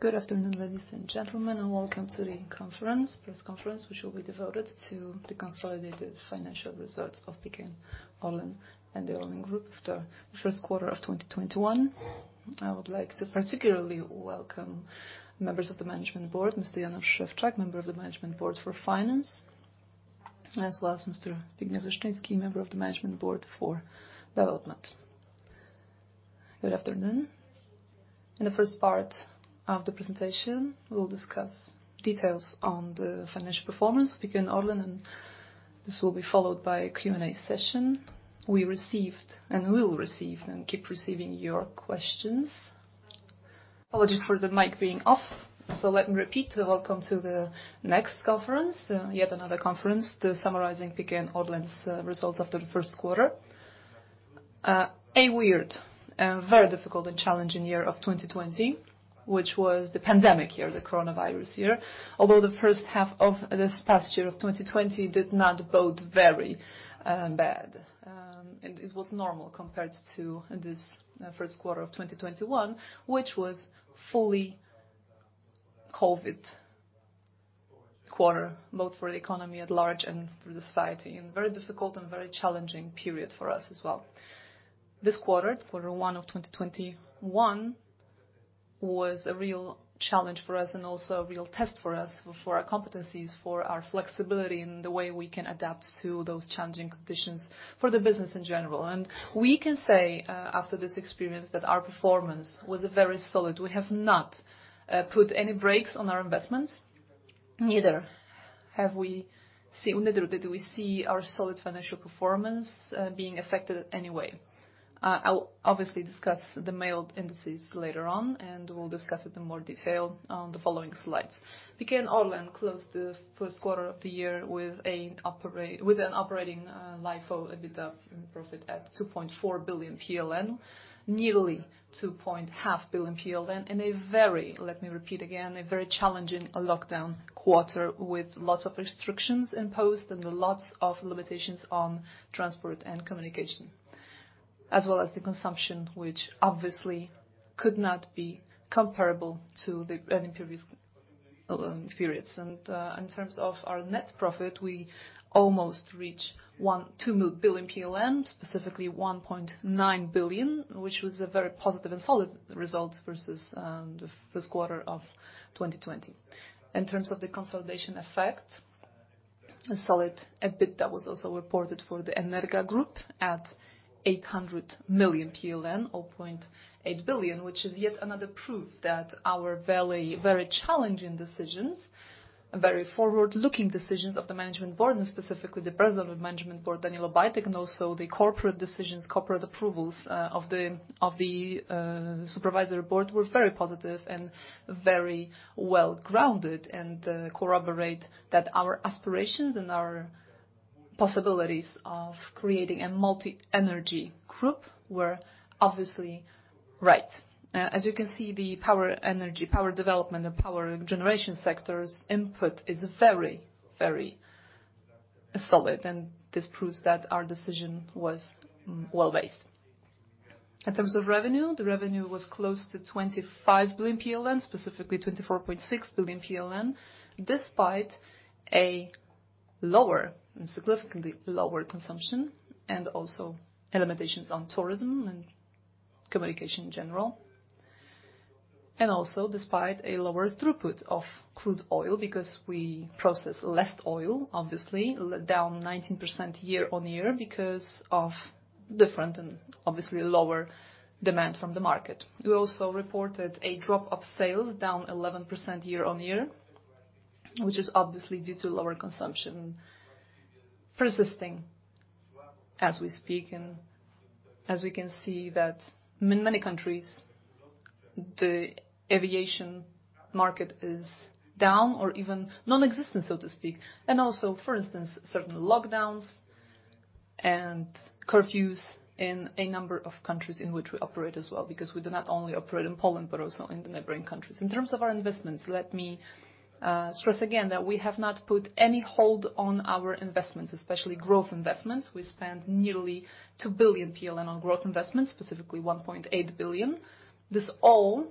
Good afternoon, ladies and gentlemen, and welcome to the press conference, which will be devoted to the consolidated financial results of PKN Orlen and the ORLEN Group after the first quarter of 2021. I would like to particularly welcome members of the management board, Mr. Jan Szewczak, Member of the Management Board for Finance, as well as Mr. Zbigniew Leszczyński, Member of the Management Board for Development. Good afternoon. In the first part of the presentation, we'll discuss details on the financial performance of PKN Orlen, and this will be followed by a Q&A session. We received and will receive and keep receiving your questions. Apologies for the mic being off. Let me repeat, welcome to the next conference, yet another conference, the summarizing PKN Orlen's results after the first quarter. A weird, very difficult and challenging year of 2020, which was the pandemic year, the coronavirus year. The first half of this past year of 2020 did not bode very bad, and it was normal compared to this first quarter of 2021, which was fully COVID-19 quarter, both for the economy at large and for the society, and very difficult and very challenging period for us as well. This quarter one of 2021, was a real challenge for us and also a real test for us, for our competencies, for our flexibility in the way we can adapt to those challenging conditions for the business in general. We can say, after this experience, that our performance was very solid. We have not put any brakes on our investments, neither did we see our solid financial performance being affected in any way. I'll obviously discuss the main indices later on, and we'll discuss it in more detail on the following slides. PKN Orlen closed the first quarter of the year with an operating LIFO EBITDA profit at 2.4 billion PLN, nearly 2.5 billion PLN in a very, let me repeat again, a very challenging lockdown quarter with lots of restrictions imposed and lots of limitations on transport and communication, as well as the consumption, which obviously could not be comparable to any previous periods. In terms of our net profit, we almost reached 2 billion PLN, specifically 1.9 billion, which was a very positive and solid result versus the first quarter of 2020. In terms of the consolidation effect, a solid EBITDA was also reported for the Energa Group at 800 million PLN or 0.8 billion, which is yet another proof that our very challenging decisions, very forward-looking decisions of the management board, and specifically the president of management board, Daniel Obajtek, and also the corporate decisions, corporate approvals of the supervisory board were very positive and very well-grounded and corroborate that our aspirations and our possibilities of creating a multi-energy group were obviously right. As you can see, the power energy, power development, the power generation sector's input is very, very solid, and this proves that our decision was well-based. In terms of revenue, the revenue was close to 25 billion PLN, specifically 24.6 billion PLN, despite a significantly lower consumption and also limitations on tourism and communication in general, and also despite a lower throughput of crude oil because we process less oil, obviously down 19% year-on-year because of different and obviously lower demand from the market. We also reported a drop of sales down 11% year-on-year, which is obviously due to lower consumption persisting as we speak, and as we can see that in many countries, the aviation market is down or even nonexistent, so to speak. For instance, certain lockdowns and curfews in a number of countries in which we operate as well, because we do not only operate in Poland, but also in the neighboring countries. In terms of our investments, let me stress again that we have not put any hold on our investments, especially growth investments. We spent nearly 2 billion PLN on growth investments, specifically 1.8 billion. This all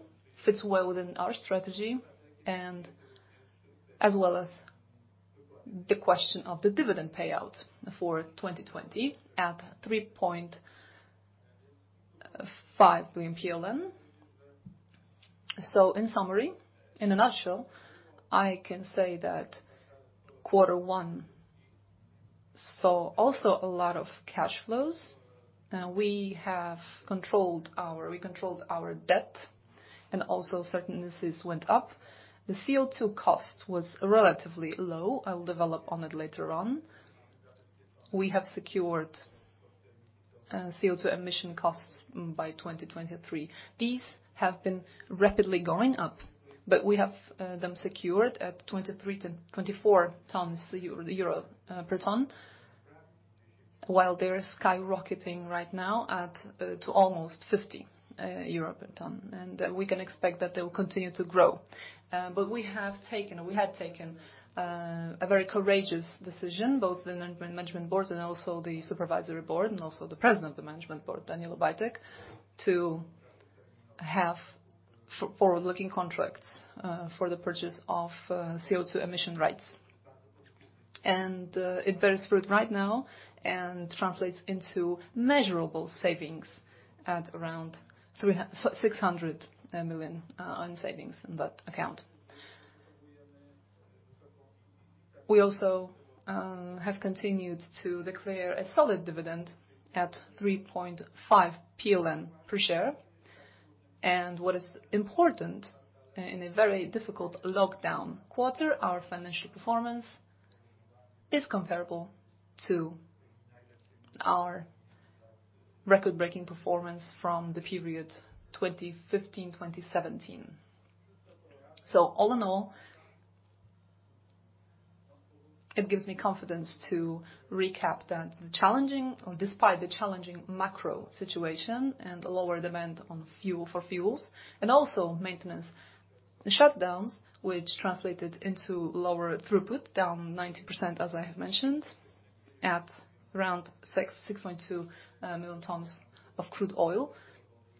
fits well within our strategy and as well as the question of the dividend payout for 2020 at 3.5 billion PLN. In summary, in a nutshell, I can say that quarter one saw also a lot of cash flows. We controlled our debt, and also certainties went up. The CO2 cost was relatively low. I'll develop on it later on. We have secured CO2 emission costs by 2023. These have been rapidly going up, but we have them secured at 23-24 euro per ton, while they're skyrocketing right now to almost 50 euro per ton, and we can expect that they will continue to grow. We had taken a very courageous decision, both the management board and also the supervisory board, and also the President of the Management Board, Daniel Obajtek, to have forward-looking contracts for the purchase of CO2 emission rights. It bears fruit right now and translates into measurable savings at around 600 million on savings in that account. We also have continued to declare a solid dividend at 3.5 PLN per share. What is important, in a very difficult lockdown quarter, our financial performance is comparable to our record-breaking performance from the period 2015 to 2017. All in all, it gives me confidence to recap that despite the challenging macro situation and lower demand for fuels, and also maintenance shutdowns, which translated into lower throughput, down 19%, as I have mentioned, at around 6.2 million tons of crude oil,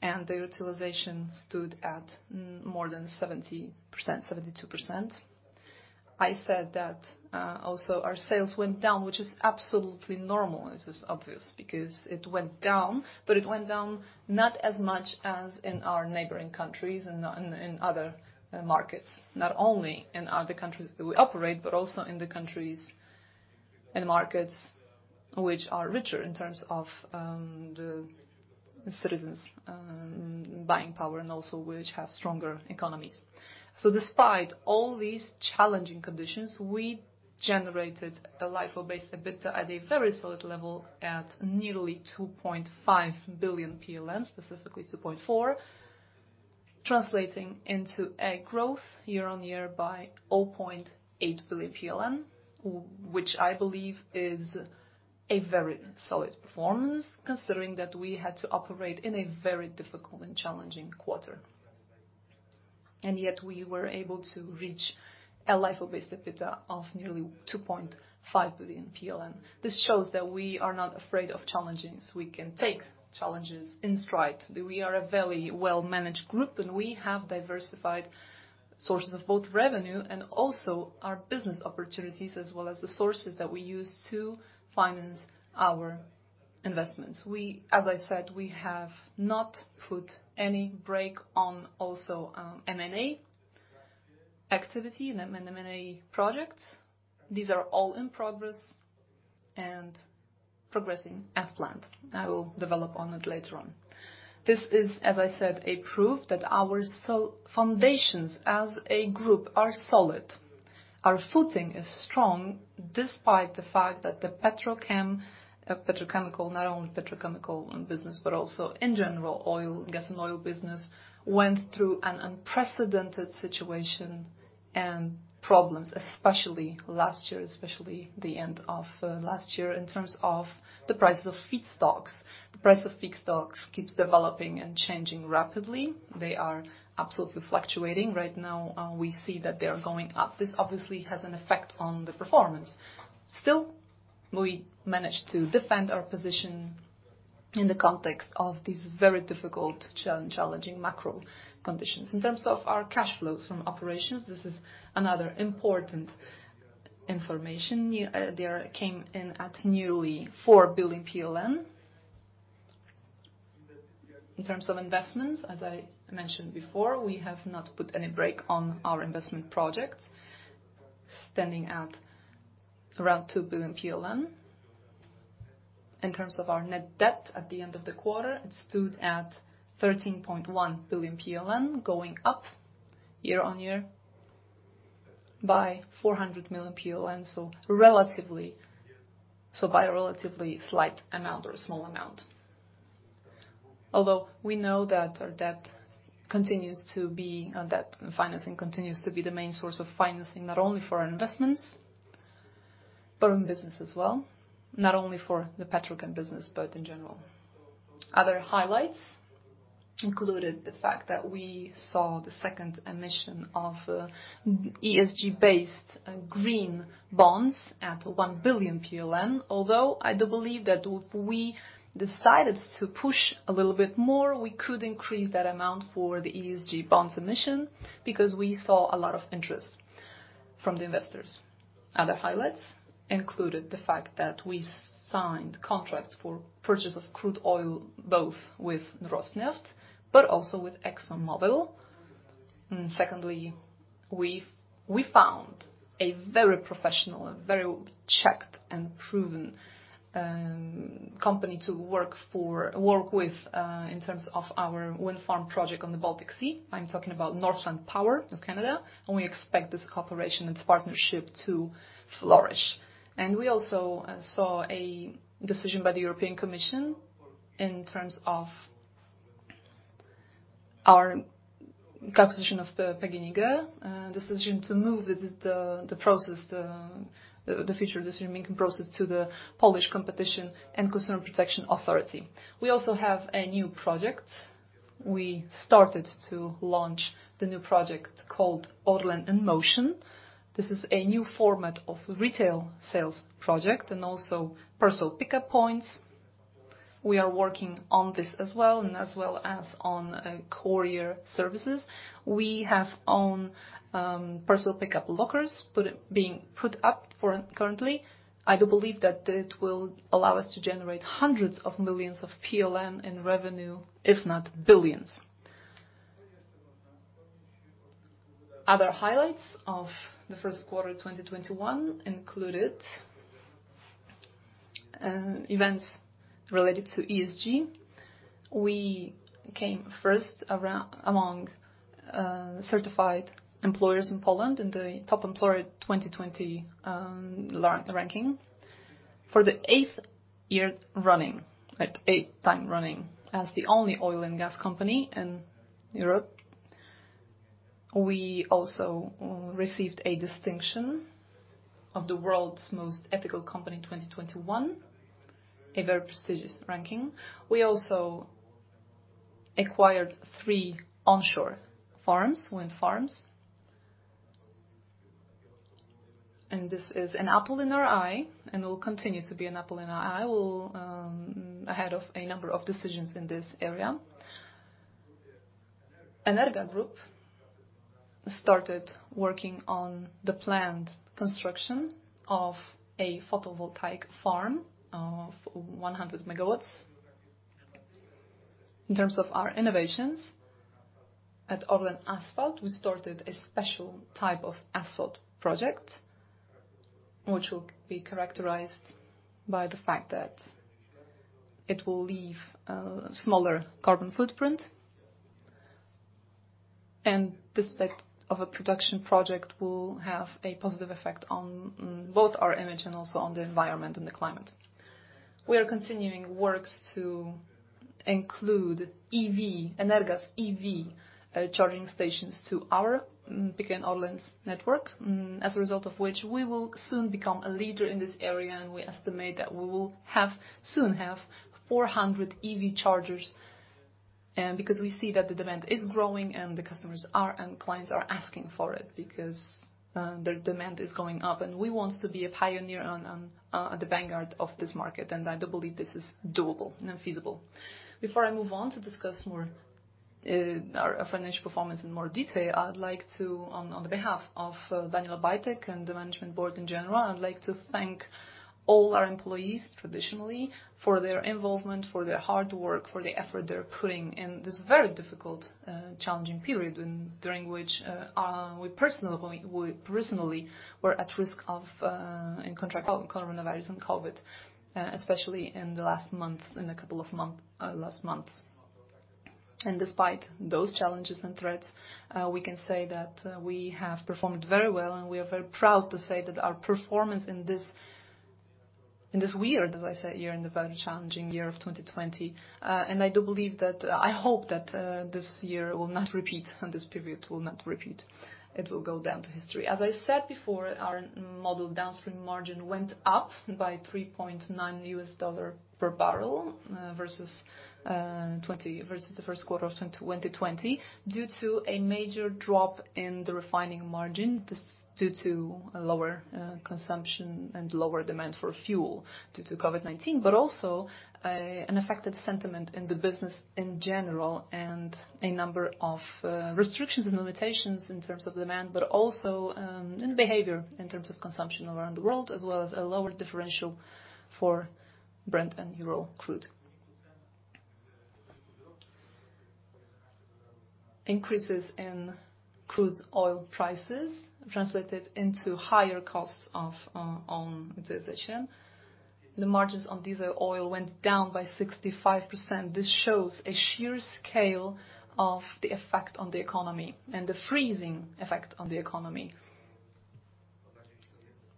and the utilization stood at more than 70%, 72%. I said that, also our sales went down, which is absolutely normal, and this is obvious because it went down, but it went down not as much as in our neighboring countries and in other markets, not only in other countries that we operate, but also in the countries and markets which are richer in terms of the citizens' buying power and also which have stronger economies. Despite all these challenging conditions, we generated a LIFO-based EBITDA at a very solid level at nearly 2.5 billion PLN, specifically 2.4 billion, translating into a growth year-on-year by 0.8 billion PLN, which I believe is a very solid performance considering that we had to operate in a very difficult and challenging quarter. Yet we were able to reach a LIFO-based EBITDA of nearly 2.5 billion. This shows that we are not afraid of challenges. We can take challenges in stride, that we are a very well-managed group, and we have diversified sources of both revenue and also our business opportunities as well as the sources that we use to finance our investments. As I said, we have not put any brake on also M&A activity and M&A projects. These are all in progress and progressing as planned. I will develop on it later on. This is, as I said, proof that our foundations as a group are solid. Our footing is strong despite the fact that the petrochemical, not only petrochemical business, but also in general, gas and oil business, went through an unprecedented situation and problems, especially last year, especially the end of last year, in terms of the price of feedstocks. The price of feedstocks keeps developing and changing rapidly. They are absolutely fluctuating. Right now, we see that they are going up. This obviously has an effect on the performance. Still, we managed to defend our position in the context of these very difficult, challenging macro conditions. In terms of our cash flows from operations, this is another important information. They came in at nearly 4 billion PLN. In terms of investments, as I mentioned before, we have not put any brake on our investment projects, standing at around 2 billion PLN. In terms of our net debt at the end of the quarter, it stood at 13.1 billion PLN, going up year-on-year by 400 million PLN, so by a relatively slight amount or a small amount. We know that our debt financing continues to be the main source of financing, not only for our investments, but in business as well, not only for the petrochem business, but in general. Other highlights included the fact that we saw the second emission of ESG-based green bonds at 1 billion PLN. I do believe that if we decided to push a little bit more, we could increase that amount for the ESG bond emission because we saw a lot of interest from the investors. Other highlights included the fact that we signed contracts for purchase of crude oil, both with Rosneft but also with ExxonMobil. Secondly, we found a very professional, very checked, and proven company to work with in terms of our wind farm project on the Baltic Sea. I'm talking about Northland Power, in Canada. We expect this cooperation and partnership to flourish. We also saw a decision by the European Commission in terms of our acquisition of PGNiG, a decision to move the process, the future decision-making process to the Polish Competition and Consumer Protection Authority. We also have a new project. We started to launch the new project called Orlen in Motion. This is a new format of retail sales project and also parcel pickup points. We are working on this as well, and as well as on courier services. We have own parcel pickup lockers being put up currently. I do believe that it will allow us to generate hundreds of millions of PLN in revenue, if not billions. Other highlights of the first quarter 2021 included events related to ESG. We came first among certified employers in Poland in the Top Employer 2020 ranking for the eighth time running, as the only oil and gas company in Europe. We also received a distinction of the World's Most Ethical Company 2021, a very prestigious ranking. We also acquired three onshore wind farms. This is an apple in our eye and will continue to be an apple in our eye. Ahead of a number of decisions in this area. Energa Group started working on the planned construction of a photovoltaic farm of 100 MW. In terms of our innovations, at ORLEN Asfalt, we started a special type of asphalt project, which will be characterized by the fact that it will leave a smaller carbon footprint. This type of a production project will have a positive effect on both our image and also on the environment and the climate. We are continuing works to include Energa's EV charging stations to our PKN Orlen network, as a result of which we will soon become a leader in this area, and we estimate that we will soon have 400 EV chargers. We see that the demand is growing, and the customers and clients are asking for it because their demand is going up, and we want to be a pioneer at the vanguard of this market, and I do believe this is doable and feasible. Before I move on to discuss our financial performance in more detail, on behalf of Daniel Obajtek and the management board in general, I'd like to thank all our employees traditionally for their involvement, for their hard work, for the effort they're putting in this very difficult, challenging period during which we personally were at risk of contracting coronavirus and COVID, especially in the last months. Despite those challenges and threats, we can say that we have performed very well, and we are very proud to say that our performance in this weird, as I said, year, in the very challenging year of 2020. I hope that this year will not repeat, and this period will not repeat. It will go down to history. As I said before, our model downstream margin went up by $3.9 per barrel versus the first quarter of 2020 due to a major drop in the refining margin due to lower consumption and lower demand for fuel due to COVID-19, but also an affected sentiment in the business in general and a number of restrictions and limitations in terms of demand, but also in behavior in terms of consumption around the world, as well as a lower differential for Brent and Ural crude. Increases in crude oil prices translated into higher costs on utilization. The margins on diesel oil went down by 65%. This shows a sheer scale of the effect on the economy and the freezing effect on the economy.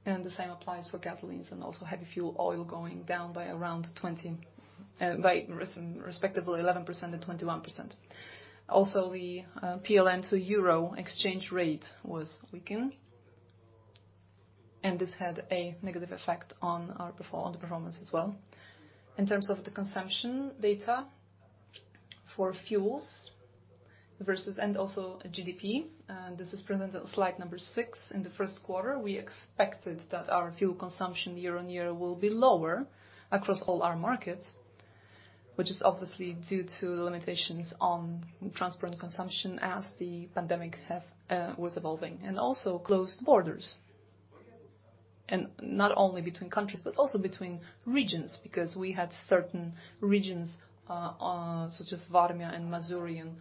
The same applies for gasoline and also heavy fuel oil going down by respectively 11% and 21%. The PLN to EUR exchange rate was weakened, and this had a negative effect on the performance as well. In terms of the consumption data for fuels and also GDP, this is presented on slide number six. In the first quarter, we expected that our fuel consumption year-on-year will be lower across all our markets, which is obviously due to limitations on transport and consumption as the pandemic was evolving, and also closed borders. Not only between countries but also between regions, because we had certain regions, such as Warmia and Masurian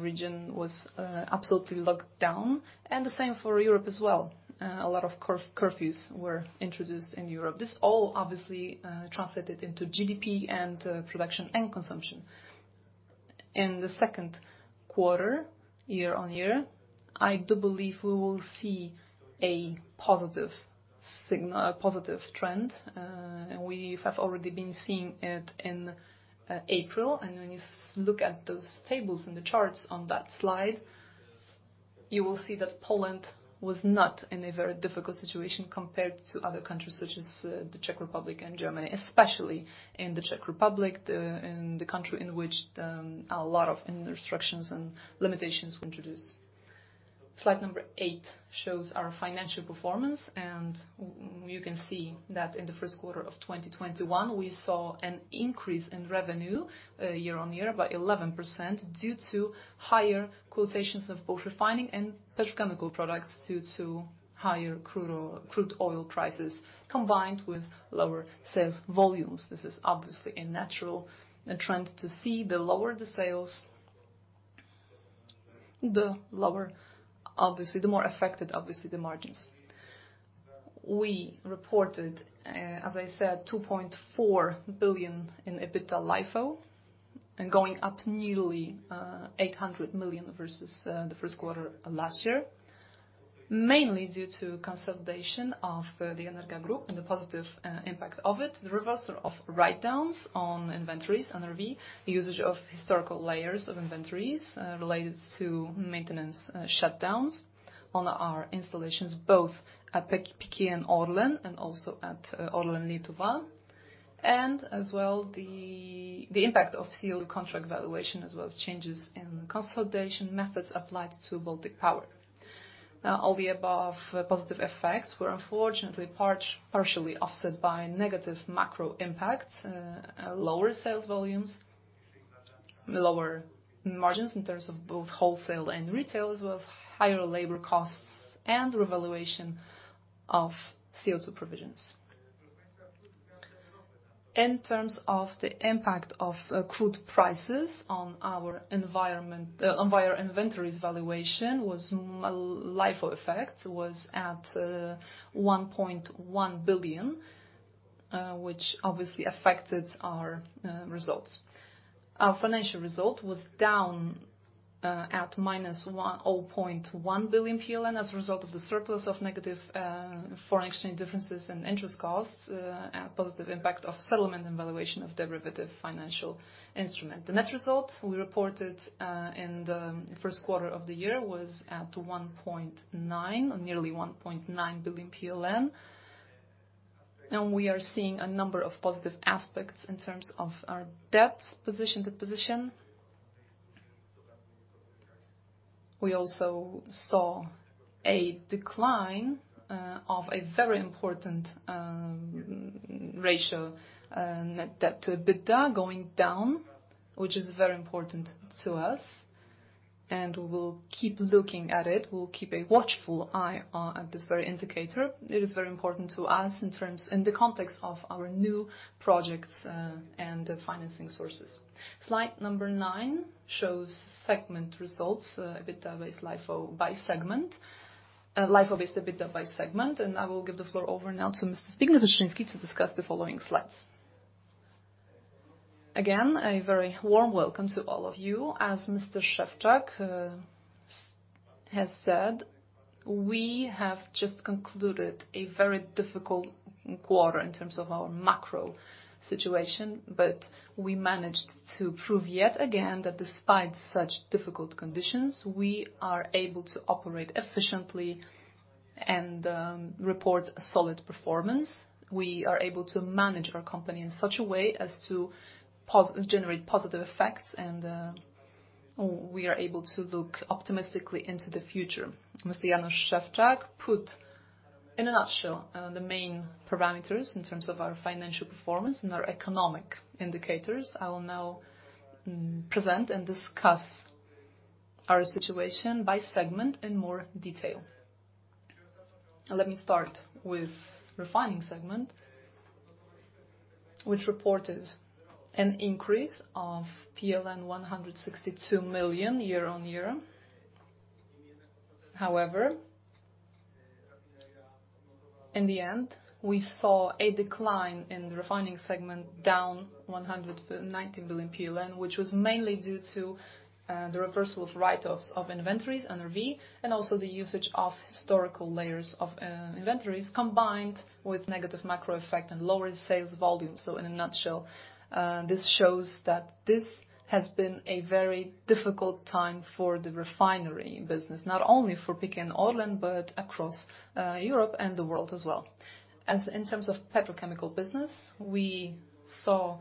region was absolutely locked down, and the same for Europe as well. A lot of curfews were introduced in Europe. This all obviously translated into GDP and production and consumption. In the second quarter, year-on-year, I do believe we will see a positive trend. We have already been seeing it in April. When you look at those tables and the charts on that slide, you will see that Poland was not in a very difficult situation compared to other countries such as the Czech Republic and Germany, especially in the Czech Republic, in the country in which a lot of restrictions and limitations were introduced. Slide number eight shows our financial performance. You can see that in the first quarter of 2021, we saw an increase in revenue year-on-year by 11%, due to higher quotations of both refining and petrochemical products due to higher crude oil prices, combined with lower sales volumes. This is obviously a natural trend to see. The lower the sales, the more affected, obviously, the margins. We reported, as I said, 2.4 billion in EBITDA LIFO. Going up nearly 800 million versus the first quarter last year. Mainly due to consolidation of the Energa Group and the positive impact of it, the reversal of write-downs on inventories, NRV, the usage of historical layers of inventories related to maintenance shutdowns on our installations, both at PKN Orlen and also at ORLEN Lietuva. As well, the impact of CO2 contract valuation as well as changes in consolidation methods applied to Baltic Power. All the above positive effects were unfortunately partially offset by negative macro impacts, lower sales volumes, lower margins in terms of both wholesale and retail, as well as higher labor costs and revaluation of CO2 provisions. In terms of the impact of crude prices on our inventories valuation, LIFO effect was at 1.1 billion, which obviously affected our results. Our financial result was down at minus 0.1 billion PLN as a result of the surplus of negative foreign exchange differences and interest costs, and positive impact of settlement and valuation of derivative financial instrument. The net result we reported in the first quarter of the year was at nearly 1.9 billion PLN. Now we are seeing a number of positive aspects in terms of our debt position. We also saw a decline of a very important ratio, net debt to EBITDA going down, which is very important to us, and we will keep looking at it. We'll keep a watchful eye at this very indicator. It is very important to us in the context of our new projects and financing sources. Slide number nine shows segment results, LIFO EBITDA by segment, and I will give the floor over now to Mr. Zbigniew Leszczyński to discuss the following slides. Again, a very warm welcome to all of you. As Mr. Szewczak has said, we have just concluded a very difficult quarter in terms of our macro situation, we managed to prove yet again that despite such difficult conditions, we are able to operate efficiently and report solid performance. We are able to manage our company in such a way as to generate positive effects, we are able to look optimistically into the future. Mr. Jan Szewczak put in a nutshell, the main parameters in terms of our financial performance and our economic indicators. I will now present and discuss our situation by segment in more detail. Let me start with refining segment, which reported an increase of PLN 162 million year-on-year. However, in the end, we saw a decline in the refining segment down 190 million PLN, which was mainly due to the reversal of write-offs of inventories, NRV, and also the usage of historical layers of inventories, combined with negative macro effect and lower sales volume. In a nutshell, this shows that this has been a very difficult time for the refinery business, not only for PKN Orlen, but across Europe and the world as well. In terms of petrochemical business, we saw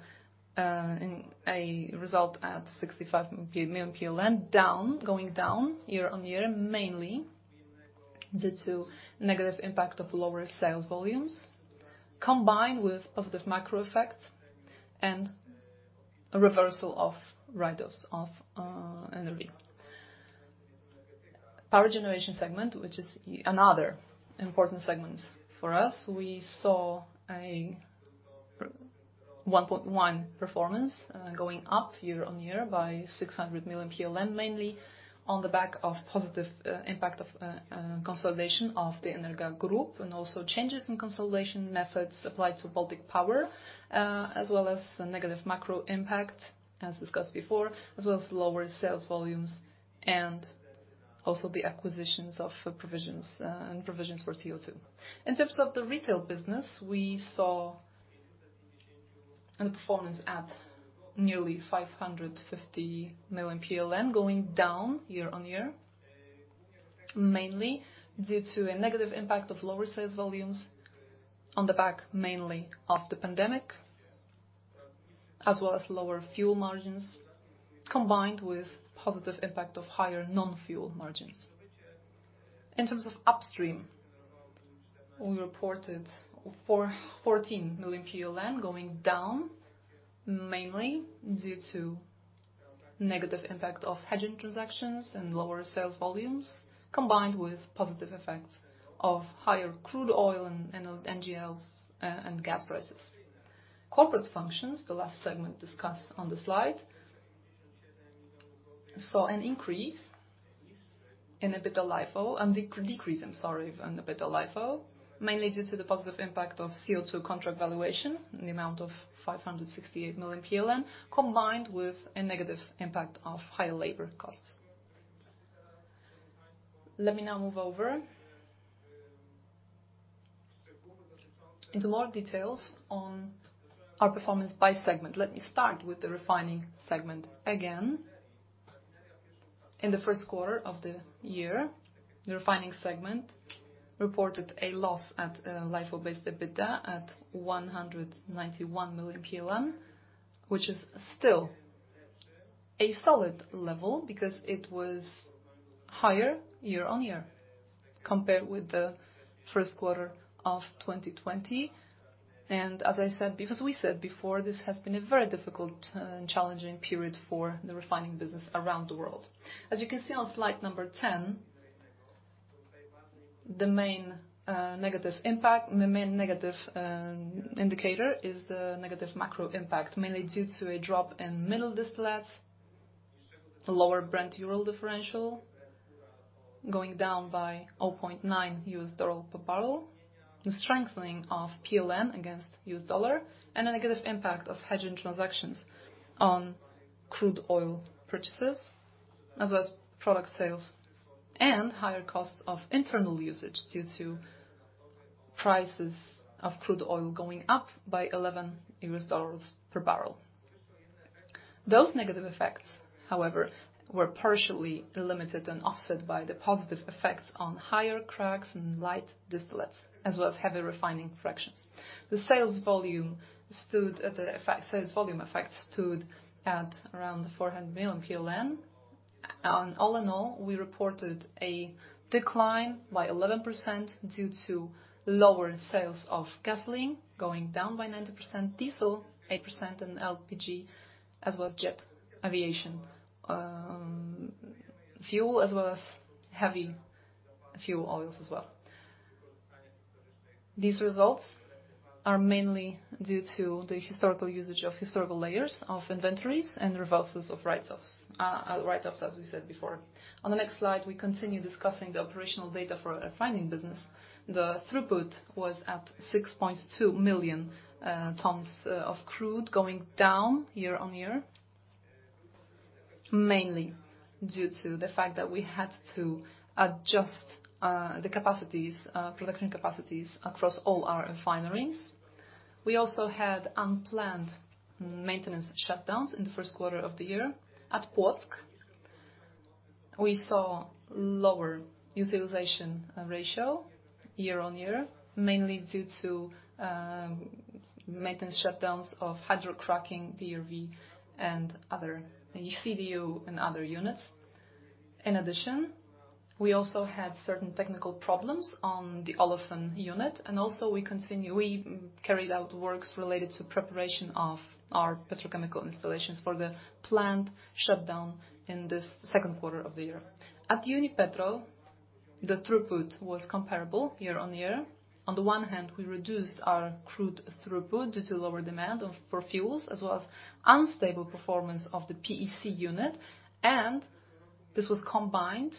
a result at 65 million PLN, going down year on year, mainly due to negative impact of lower sales volumes, combined with positive macro effects and a reversal of write-offs of NRV. Power generation segment, which is another important segment for us. We saw a 1.1 performance going up year-on-year by 600 million PLN, mainly on the back of positive impact of consolidation of the Energa Group and also changes in consolidation methods applied to Baltic Power, as well as the negative macro impact as discussed before, as well as lower sales volumes and also the acquisitions of provisions and provisions for CO2. In terms of the retail business, we saw a performance at nearly 550 million PLN going down year-on-year, mainly due to a negative impact of lower sales volumes on the back mainly of the pandemic. As well as lower fuel margins, combined with positive impact of higher non-fuel margins. In terms of upstream, we reported 14 million going down, mainly due to negative impact of hedging transactions and lower sales volumes, combined with positive effects of higher crude oil and NGLs and gas prices. Corporate functions, the last segment discussed on the slide, saw a decrease in EBITDA LIFO, mainly due to the positive impact of CO2 contract valuation in the amount of 568 million PLN, combined with a negative impact of higher labor costs. Let me now move over into more details on our performance by segment. Let me start with the refining segment again. In the first quarter of the year, the refining segment reported a loss at LIFO-based EBITDA at 191 million PLN, which is still a solid level because it was higher year-on-year compared with the first quarter of 2020. As we said before, this has been a very difficult and challenging period for the refining business around the world. As you can see on slide number 10, the main negative indicator is the negative macro impact, mainly due to a drop in middle distillates, the lower Brent/Ural differential going down by $0.9 per barrel, the strengthening of PLN against U.S. Dollar, and a negative impact of hedging transactions on crude oil purchases, as well as product sales, and higher costs of internal usage due to prices of crude oil going up by $11 per barrel. Those negative effects, however, were partially limited and offset by the positive effects on higher cracks and light distillates, as well as heavy refining fractions. The sales volume effect stood at around 400 million PLN. All in all, we reported a decline by 11% due to lower sales of gasoline, going down by 90%, diesel, 8% in LPG as well as jet aviation fuel, as well as heavy fuel oils as well. These results are mainly due to the historical usage of historical layers of inventories and reversals of write-offs, as we said before. On the next slide, we continue discussing the operational data for our refining business. The throughput was at 6.2 million tons of crude going down year-on-year, mainly due to the fact that we had to adjust the production capacities across all our refineries. We also had unplanned maintenance shutdowns in the first quarter of the year. At Płock, we saw lower utilization ratio year-on-year, mainly due to maintenance shutdowns of hydrocracking, VDU, CDU, and other units. In addition, we also had certain technical problems on the olefin unit, and also we carried out works related to preparation of our petrochemical installations for the planned shutdown in the second quarter of the year. At Unipetrol, the throughput was comparable year-on-year. On the one hand, we reduced our crude throughput due to lower demand for fuels as well as unstable performance of the PE3 unit. This was combined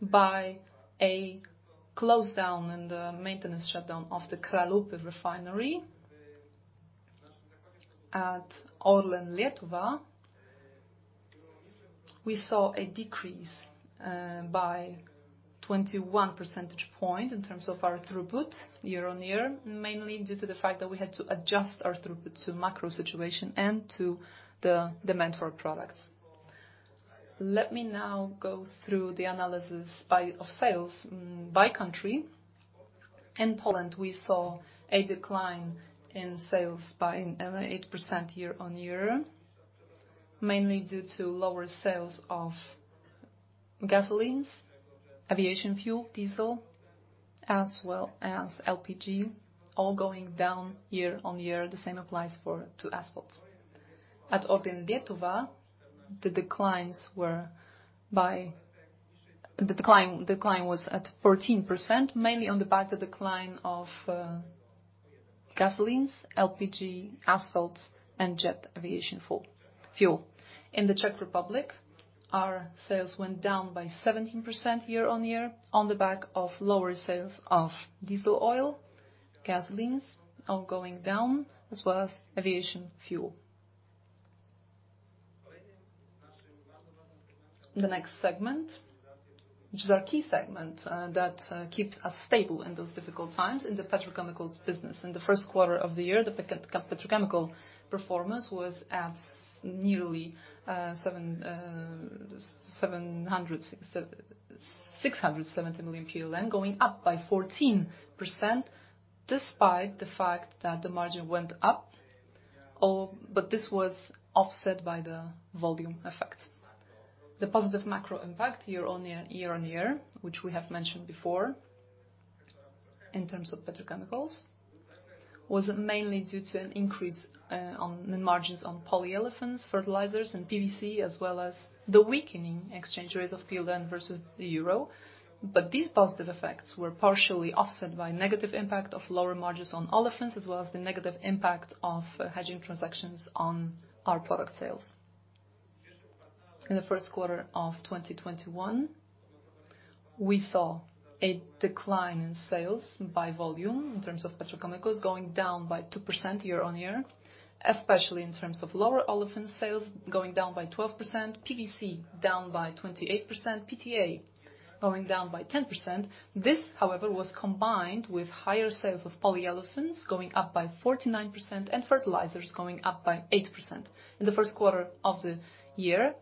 by a close down in the maintenance shutdown of the Kralupy refinery. At ORLEN Lietuva, we saw a decrease by 21 percentage point in terms of our throughput year-on-year, mainly due to the fact that we had to adjust our throughput to macro situation and to the demand for products. Let me now go through the analysis of sales by country. In Poland, we saw a decline in sales by 8% year-on-year, mainly due to lower sales of gasolines, aviation fuel, diesel, as well as LPG, all going down year-on-year. The same applies to asphalts. At ORLEN Lietuva, the decline was at 14%, mainly on the back of the decline of gasolines, LPG, asphalts, and jet aviation fuel. In the Czech Republic, our sales went down by 17% year-on-year on the back of lower sales of diesel oil, gasolines, all going down, as well as aviation fuel. The next segment, which is our key segment that keeps us stable in those difficult times in the petrochemicals business. In the first quarter of the year, the petrochemical performance was at nearly 670 million PLN, going up by 14%, despite the fact that the margin went up. This was offset by the volume effect. The positive macro impact year-on-year, which we have mentioned before in terms of petrochemicals, was mainly due to an increase in margins on polyolefins, fertilizers, and PVC, as well as the weakening exchange rates of PLN versus the euro. These positive effects were partially offset by negative impact of lower margins on olefins, as well as the negative impact of hedging transactions on our product sales. In the first quarter of 2021, we saw a decline in sales by volume in terms of petrochemicals, going down by 2% year-on-year, especially in terms of lower olefin sales, going down by 12%, PVC down by 28%, PTA going down by 10%. This, however, was combined with higher sales of polyolefins, going up by 49%, and fertilizers, going up by 8%. In the first quarter of the year,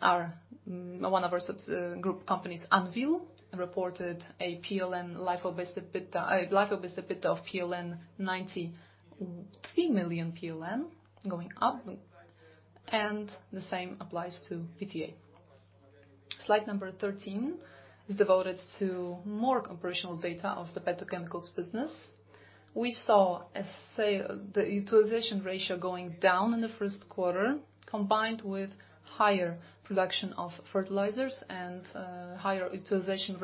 one of our group companies, Anwil, reported a LIFO-based EBITDA of PLN 93 million, going up, and the same applies to PTA. Slide number 13 is devoted to more operational data of the petrochemicals business. We saw the utilization ratio going down in the first quarter, combined with higher production of fertilizers and higher utilization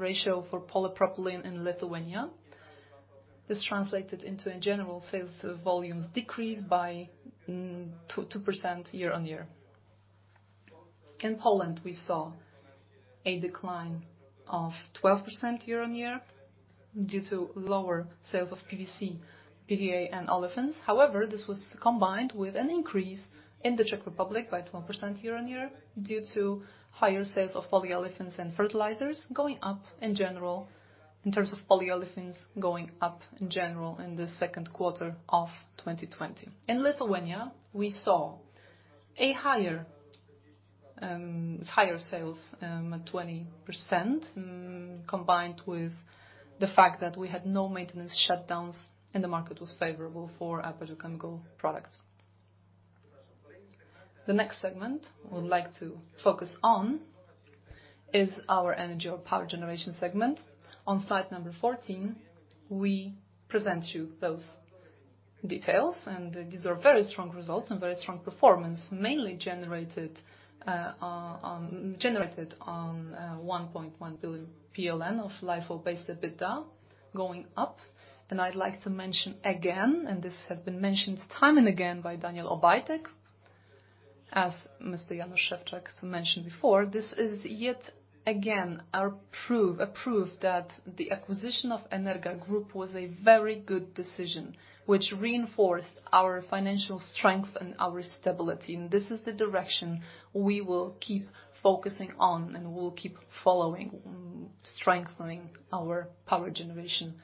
ratio for polypropylene in Lithuania. This translated into a general sales volumes decrease by 2% year-on-year. In Poland, we saw a decline of 12% year-on-year due to lower sales of PVC, PTA, and olefins. This was combined with an increase in the Czech Republic by 12% year-on-year due to higher sales of polyolefins and fertilizers going up in general, in terms of polyolefins, going up in general in the second quarter of 2020. In Lithuania, we saw higher sales, at 20%, combined with the fact that we had no maintenance shutdowns, and the market was favorable for our petrochemical products. The next segment I would like to focus on is our energy or power generation segment. On slide number 14, we present you those details, and these are very strong results and very strong performance, mainly generated on 1.1 billion PLN of LIFO-based EBITDA, going up. I'd like to mention again, and this has been mentioned time and again by Daniel Obajtek, as Mr. Jan Szewczak mentioned before, this is yet again a proof that the acquisition of Energa Group was a very good decision, which reinforced our financial strength and our stability. This is the direction we will keep focusing on, and we'll keep following, strengthening our power generation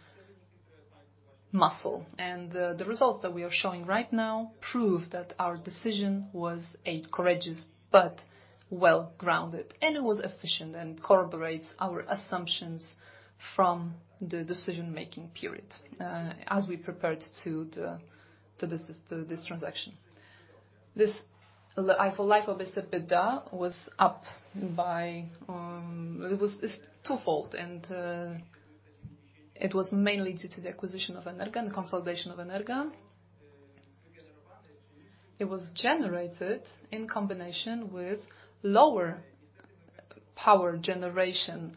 muscle. The results that we are showing right now prove that our decision was a courageous but well-grounded, and it was efficient and corroborates our assumptions from the decision-making period as we prepared to this transaction. This LIFO-based EBITDA was up by two-fold, and it was mainly due to the acquisition of Energa and the consolidation of Energa. It was generated in combination with lower power generation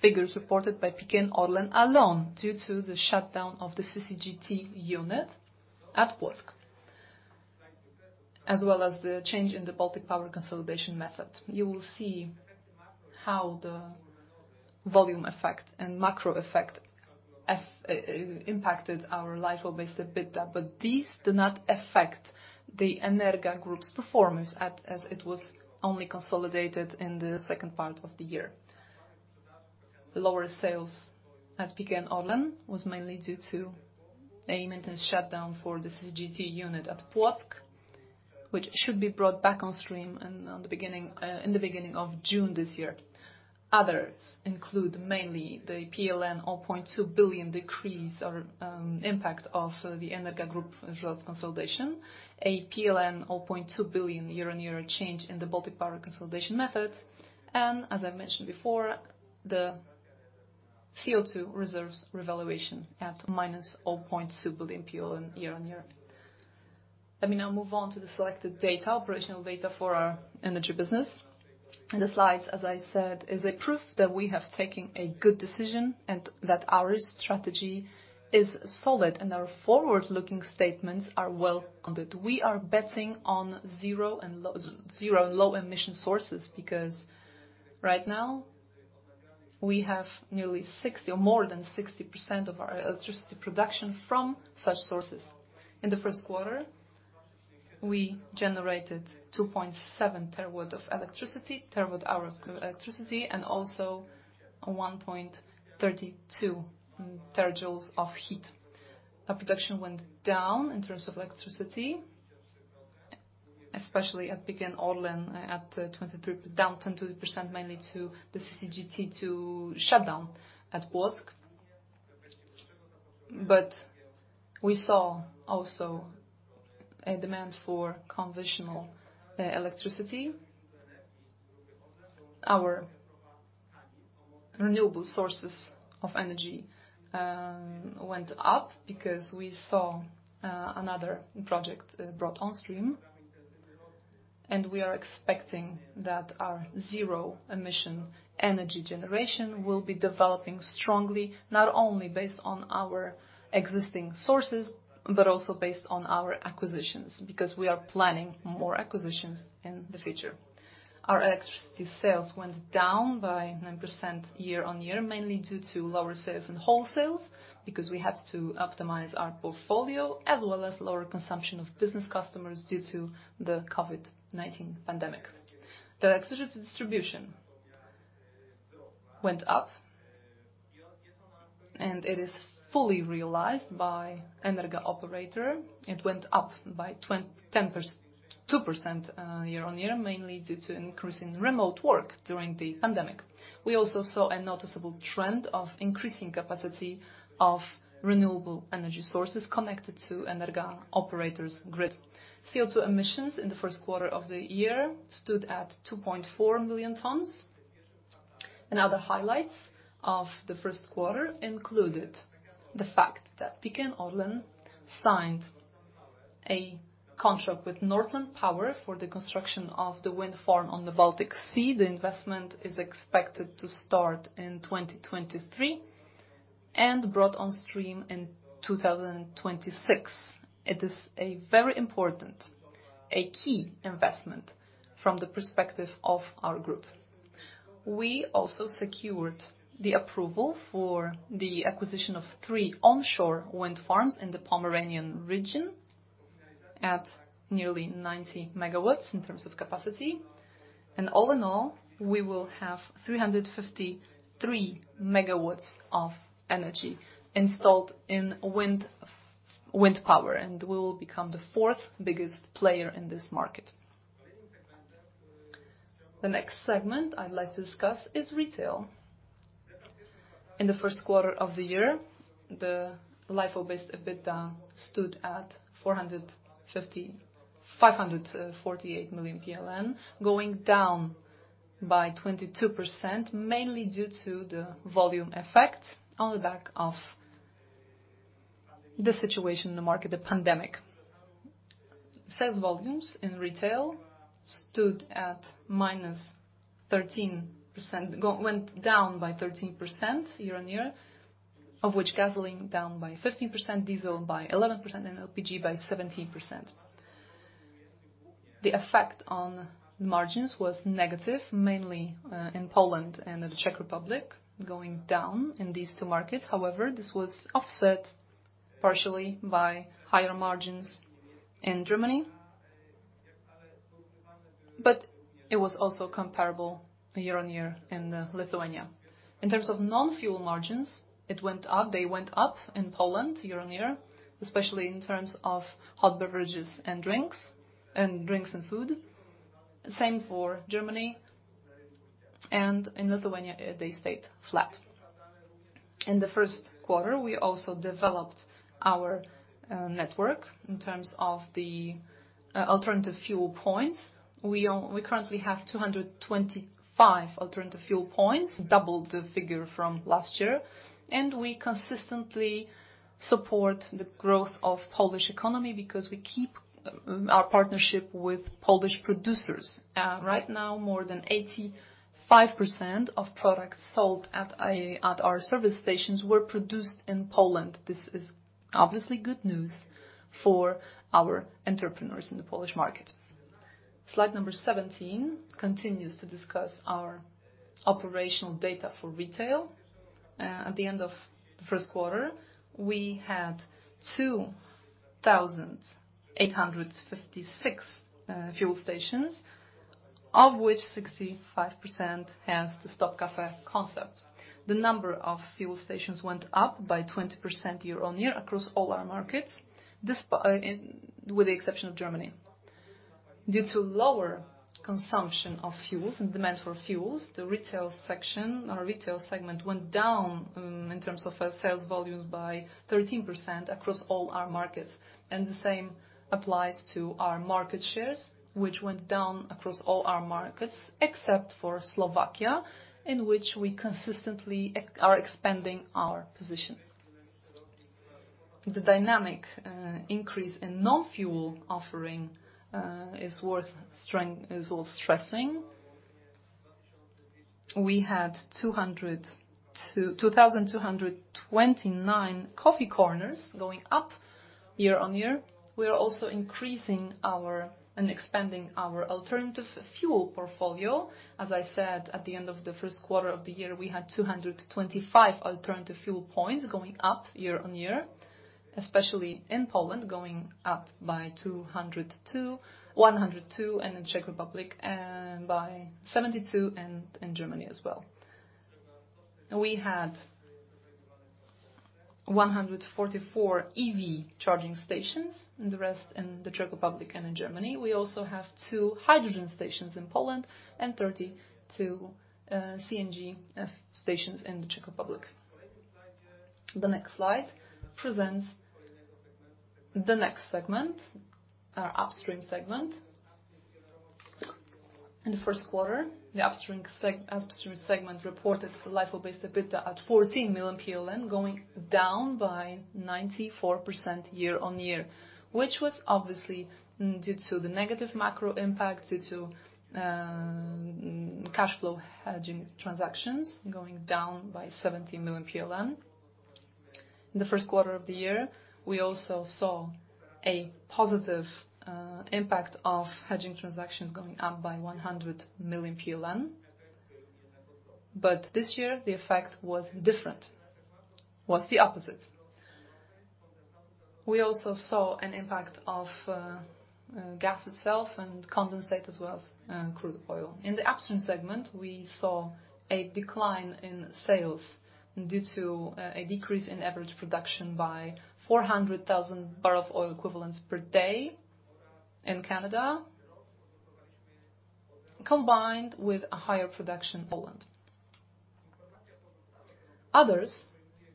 figures reported by PKN Orlen alone due to the shutdown of the CCGT unit at Płock, as well as the change in the Baltic Power consolidation method. You will see how the volume effect and macro effect impacted our LIFO-based EBITDA, but these do not affect the Energa Group's performance as it was only consolidated in the second part of the year. The lower sales at PKN Orlen was mainly due to a maintenance shutdown for the CCGT unit at Płock, which should be brought back on stream in the beginning of June this year. Others include mainly the PLN 0.2 billion decrease or impact of the Energa Group results consolidation, a PLN 0.2 billion year-on-year change in the Baltic Power consolidation method, and, as I mentioned before, the CO2 reserves revaluation at -0.2 billion year-on-year. Let me now move on to the selected data, operational data for our energy business. The slides, as I said, is a proof that we have taken a good decision and that our strategy is solid and our forward-looking statements are well-founded. We are betting on zero low emission sources because right now we have nearly 60% or more than 60% of our electricity production from such sources. In the first quarter, we generated 2.7 TWh of electricity, and also 1.32 terajoules of heat. Our production went down in terms of electricity, especially at PKN Orlen, down 20% mainly to the CCGT shutdown at Płock. We saw also a demand for conventional electricity. Our renewable sources of energy went up because we saw another project brought on stream, and we are expecting that our zero emission energy generation will be developing strongly, not only based on our existing sources, but also based on our acquisitions, because we are planning more acquisitions in the future. Our electricity sales went down by 9% year-on-year, mainly due to lower sales in wholesales, because we had to optimize our portfolio, as well as lower consumption of business customers due to the COVID-19 pandemic. The electricity distribution went up, and it is fully realized by Energa Operator. It went up by 2% year-on-year, mainly due to increase in remote work during the pandemic. We also saw a noticeable trend of increasing capacity of renewable energy sources connected to Energa-Operator's grid. CO2 emissions in the first quarter of the year stood at 2.4 million tons. Other highlights of the first quarter included the fact that PKN Orlen signed a contract with Northland Power for the construction of the wind farm on the Baltic Sea. The investment is expected to start in 2023 and brought on stream in 2026. It is a very important, a key investment from the perspective of our group. We also secured the approval for the acquisition of three onshore wind farms in the Pomeranian region at nearly 90 MW in terms of capacity, and all in all, we will have 353 MW of energy installed in wind power, and we will become the fourth biggest player in this market. The next segment I'd like to discuss is retail. In the first quarter of the year, the LIFO-based EBITDA stood at 548 million PLN, going down by 22%, mainly due to the volume effect on the back of the situation in the market, the pandemic. Sales volumes in retail stood at -13%, went down by 13% year-on-year, of which gasoline down by 15%, diesel by 11%, and LPG by 17%. The effect on margins was negative, mainly in Poland and the Czech Republic, going down in these two markets. However, this was offset partially by higher margins in Germany, but it was also comparable year-on-year in Lithuania. In terms of non-fuel margins, they went up in Poland year-on-year, especially in terms of hot beverages and drinks and food. Same for Germany, and in Lithuania, they stayed flat. In the first quarter, we also developed our network in terms of the alternative fuel points. We currently have 225 alternative fuel points, double the figure from last year, and we consistently support the growth of Polish economy because we keep our partnership with Polish producers. Right now, more than 85% of products sold at our service stations were produced in Poland. This is obviously good news for our entrepreneurs in the Polish market. Slide number 17 continues to discuss our operational data for retail. At the end of the first quarter, we had 2,856 fuel stations, of which 65% has the Stop Cafe concept. The number of fuel stations went up by 20% year-on-year across all our markets, with the exception of Germany. Due to lower consumption of fuels and demand for fuels, the retail section or retail segment went down in terms of sales volumes by 13% across all our markets, and the same applies to our market shares, which went down across all our markets, except for Slovakia, in which we consistently are expanding our position. The dynamic increase in non-fuel offering is worth stressing. We had 2,229 coffee corners going up year-on-year. We are also increasing and expanding our alternative fuel portfolio. As I said, at the end of the first quarter of the year, we had 225 alternative fuel points going up year-on-year, especially in Poland, going up by 102, and in Czech Republic by 72, and in Germany as well. We had 144 EV charging stations and the rest in the Czech Republic and in Germany. We also have two hydrogen stations in Poland and 32 CNG stations in the Czech Republic. The next slide presents the next segment, our upstream segment. In the first quarter, the upstream segment reported LIFO-based EBITDA at 14 million PLN, going down by 94% year-on-year, which was obviously due to the negative macro impact due to cash flow hedging transactions going down by 17 million PLN. In the first quarter of the year, we also saw a positive impact of hedging transactions going up by 100 million PLN. This year the effect was different, was the opposite. We also saw an impact of gas itself and condensate as well as crude oil. In the upstream segment, we saw a decline in sales due to a decrease in average production by 400,000 boe per day in Canada, combined with a higher production in Poland. Others.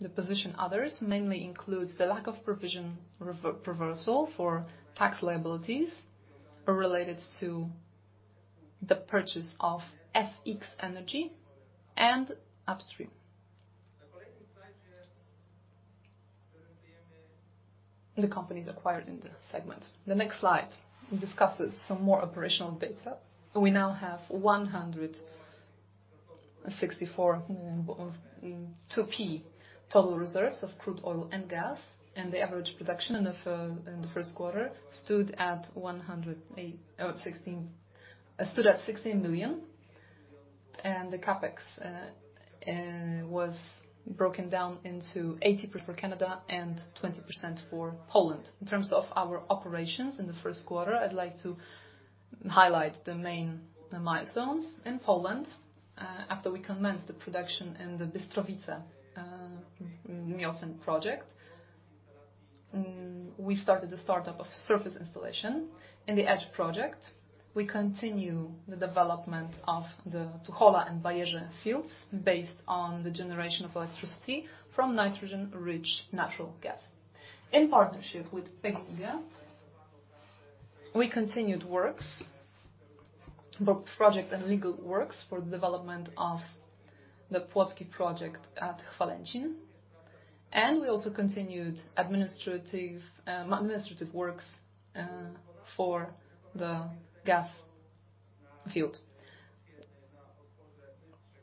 The position others mainly includes the lack of provision reversal for tax liabilities related to the purchase of FX Energy and upstream. The companies acquired in the segment. The next slide discusses some more operational data. We now have 164 million 2P total reserves of crude oil and gas, and the average production in the first quarter stood at 16 million. The CapEx was broken down into 80% for Canada and 20% for Poland. In terms of our operations in the first quarter, I'd like to highlight the main milestones in Poland. After we commenced the production in the Bystrowice Miocene project, we started the startup of surface installation in the Edge project. We continue the development of the Tuchola and Bajerze fields based on the generation of electricity from nitrogen-rich natural gas. In partnership with PGNiG, we continued works, project and legal works for the development of the Płotki project at Chwalęcin, and we also continued administrative works for the gas field.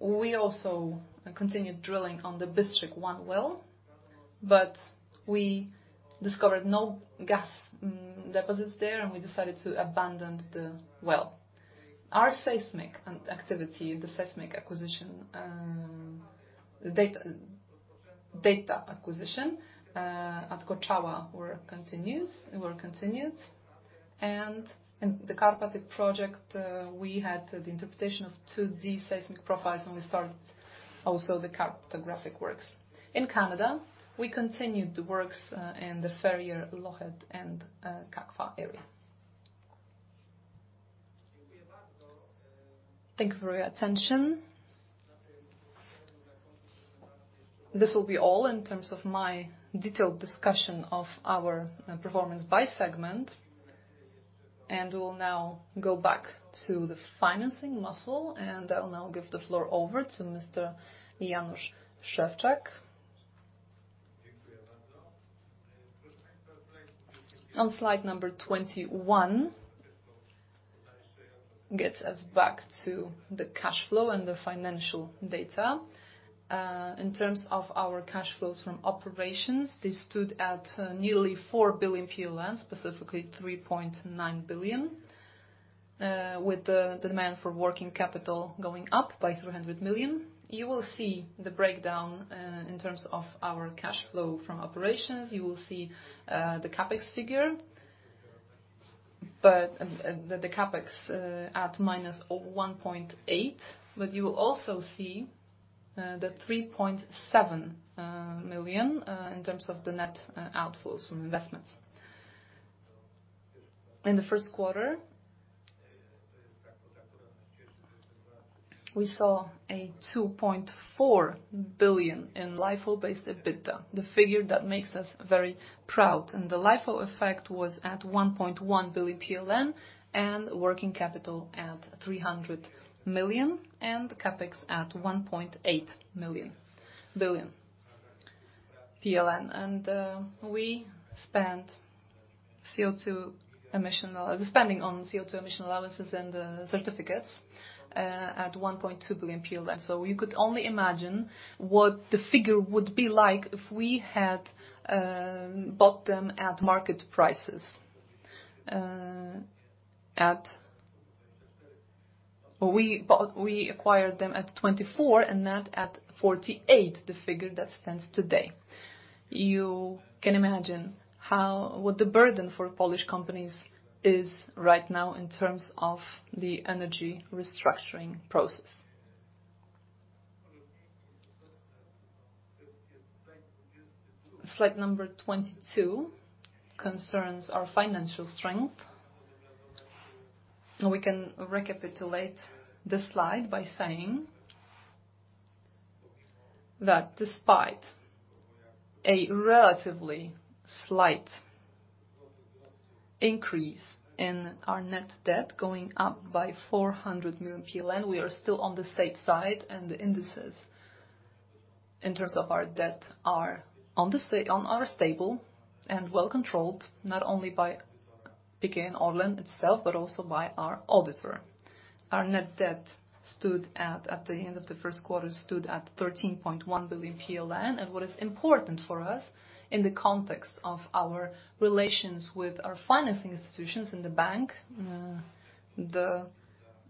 We also continued drilling on the Bystrzyk-1 well, but we discovered no gas deposits there, and we decided to abandon the well. Our seismic activity, the seismic acquisition, data acquisition, at Koczała were continued. The Carpathian project, we had the interpretation of 2D seismic profiles, and we started also the cartographic works. In Canada, we continued the works in the Ferrier, Lochend, and Kakwa area. Thank you for your attention. This will be all in terms of my detailed discussion of our performance by segment, and we will now go back to the financing muscle, and I'll now give the floor over to Mr. Jan Szewczak. On slide number 21, gets us back to the cash flow and the financial data. In terms of our cash flows from operations, they stood at nearly 4 billion PLN, specifically 3.9 billion, with the demand for working capital going up by 300 million. You will see the breakdown in terms of our cash flow from operations. You will see the CapEx figure, but the CapEx at -1.8 billion. You will also see the 3.7 million in terms of the net outflows from investments. In the first quarter, we saw 2.4 billion in LIFO-based EBITDA, the figure that makes us very proud. The LIFO effect was at 1.1 billion PLN and working capital at 300 million and CapEx at 1.8 billion PLN. The spending on CO2 emission allowances and certificates at 1.2 billion PLN. You could only imagine what the figure would be like if we had bought them at market prices. We acquired them at 24 and not at 48, the figure that stands today. You can imagine what the burden for Polish companies is right now in terms of the energy restructuring process. Slide number 22 concerns our financial strength. We can recapitulate this slide by saying that despite a relatively slight increase in our net debt going up by 400 million PLN, we are still on the safe side, and the indices in terms of our debt are stable and well-controlled, not only by PKN Orlen itself, but also by our auditor. Our net debt, at the end of the first quarter, stood at 13.1 billion PLN. What is important for us in the context of our relations with our financing institutions in the bank, the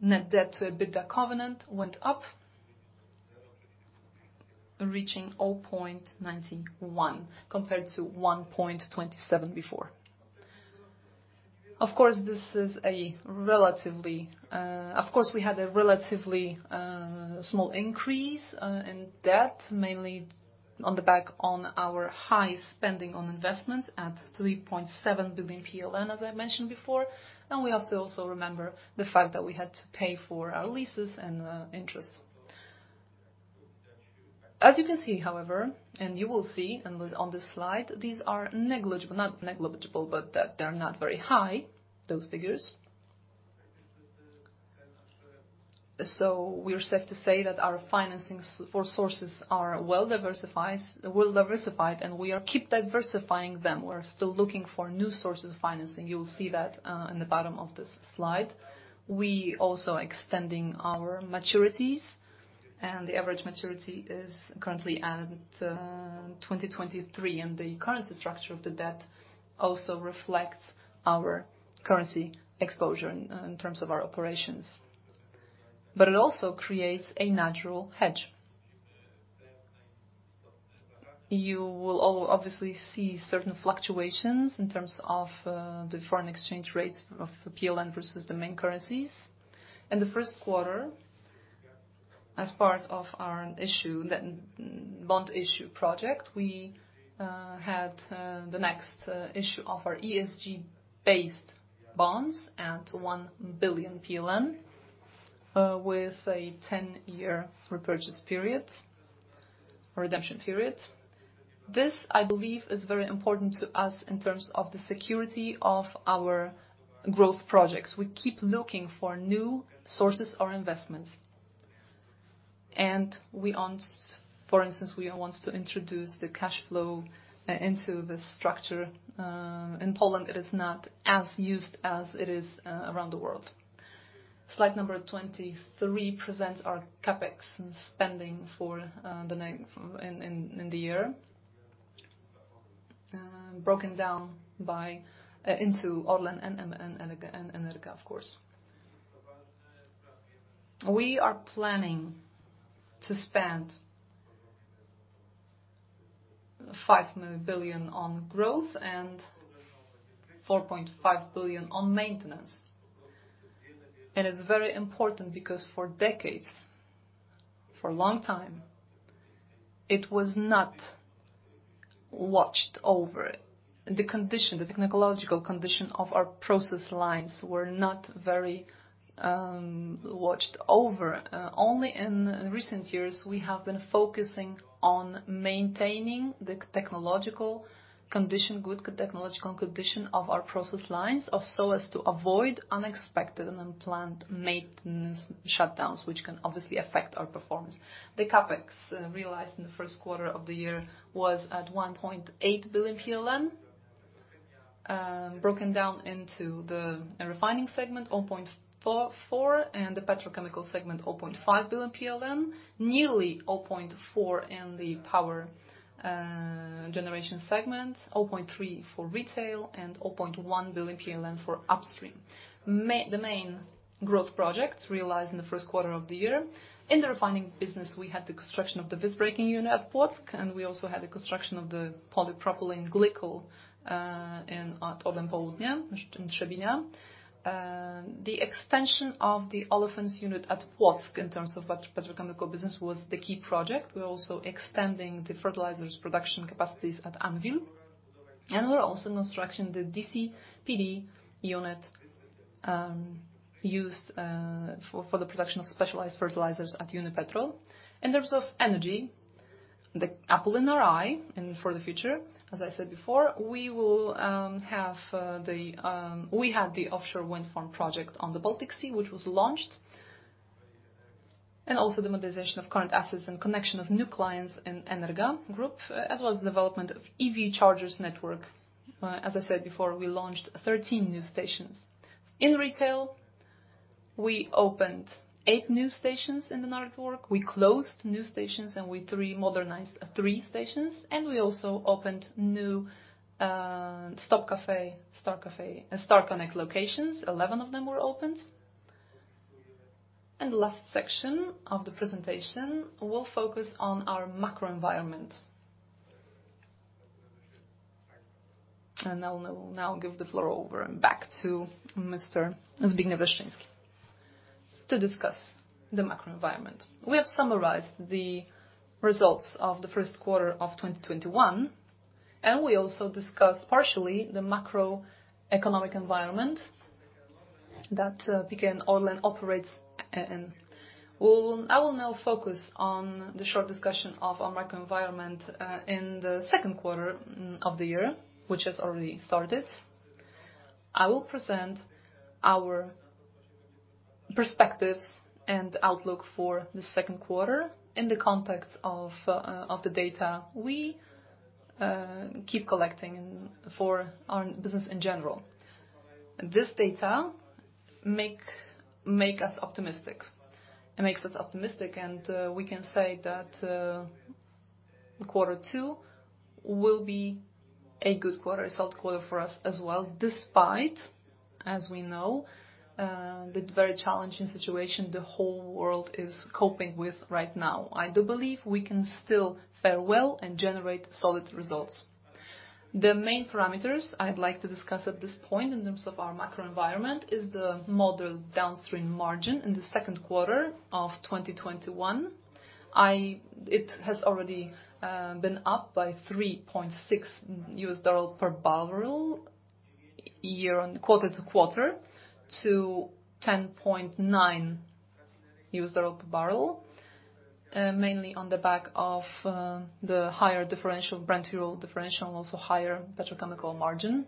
net debt to EBITDA covenant went up, reaching 0.91 compared to 1.27 before. Of course, we had a relatively small increase in debt, mainly on the back on our high spending on investments at 3.7 billion PLN, as I mentioned before, and we have to also remember the fact that we had to pay for our leases and interests. As you can see, however, and you will see on this slide, these are negligible. Not negligible, but that they're not very high, those figures. We're safe to say that our financing four sources are well-diversified, and we keep diversifying them. We're still looking for new sources of financing. You will see that in the bottom of this slide. We also extending our maturities, and the average maturity is currently at 2023, and the currency structure of the debt also reflects our currency exposure in terms of our operations. It also creates a natural hedge. You will obviously see certain fluctuations in terms of the foreign exchange rates of PLN versus the main currencies. In the first quarter, as part of our bond issue project, we had the next issue of our ESG-based bonds at 1 billion PLN, with a 10-year repurchase period, redemption period. This, I believe, is very important to us in terms of the security of our growth projects. We keep looking for new sources or investments. For instance, we want to introduce the cash flow into the structure. In Poland, it is not as used as it is around the world. Slide number 23 presents our CapEx spending in the year, broken down into ORLEN and Energa, of course. We are planning to spend 5 billion on growth and 4.5 billion on maintenance. It is very important because for decades, for a long time, it was not watched over. The technological condition of our process lines were not very watched over. Only in recent years, we have been focusing on maintaining the technological condition, good technological condition of our process lines, so as to avoid unexpected and unplanned maintenance shutdowns, which can obviously affect our performance. The CapEx realized in the first quarter of the year was at 1.8 billion PLN, broken down into the refining segment, 0.4 billion, and the petrochemical segment, 0.5 billion PLN, nearly 0.4 billion in the power generation segment, 0.3 billion for retail, and 0.1 billion PLN for upstream. The main growth projects realized in the first quarter of the year, in the refining business, we had the construction of the visbreaking unit at Płock, and we also had the construction of the propylene glycol at ORLEN Południe, in Trzebinia. The extension of the olefins unit at Płock in terms of petrochemical business was the key project. We're also extending the fertilizers production capacities at Anwil, and we're also constructing the DCPD unit used for the production of specialized fertilizers at Unipetrol. In terms of energy, the apple in our eye, and for the future, as I said before, we have the offshore wind farm project on the Baltic Sea, which was launched, and also the modernization of current assets and connection of new clients in Energa Group, as well as development of EV chargers network. As I said before, we launched 13 new stations. In retail, we opened eight new stations in the network. We closed new stations, and we modernized three stations, and we also opened new Stop Cafe, Star Connect locations, 11 of them were opened. The last section of the presentation will focus on our macro environment. I'll now give the floor over and back to Mr. Zbigniew Leszczyński to discuss the macro environment. We have summarized the results of the first quarter of 2021, and we also discussed partially the macroeconomic environment that PKN Orlen operates in. I will now focus on the short discussion of our macro environment in the second quarter of the year, which has already started. I will present our perspectives and outlook for the second quarter in the context of the data we keep collecting for our business in general. This data make us optimistic. It makes us optimistic, we can say that quarter two will be a good quarter, a solid quarter for us as well. Despite, as we know, the very challenging situation the whole world is coping with right now, I do believe we can still fare well and generate solid results. The main parameters I'd like to discuss at this point in terms of our macro environment is the model downstream margin in the second quarter of 2021. It has already been up by $3.6 per barrel quarter-to-quarter to $10.9 per barrel, mainly on the back of the higher differential, Brent crude oil differential, and also higher petrochemical margin.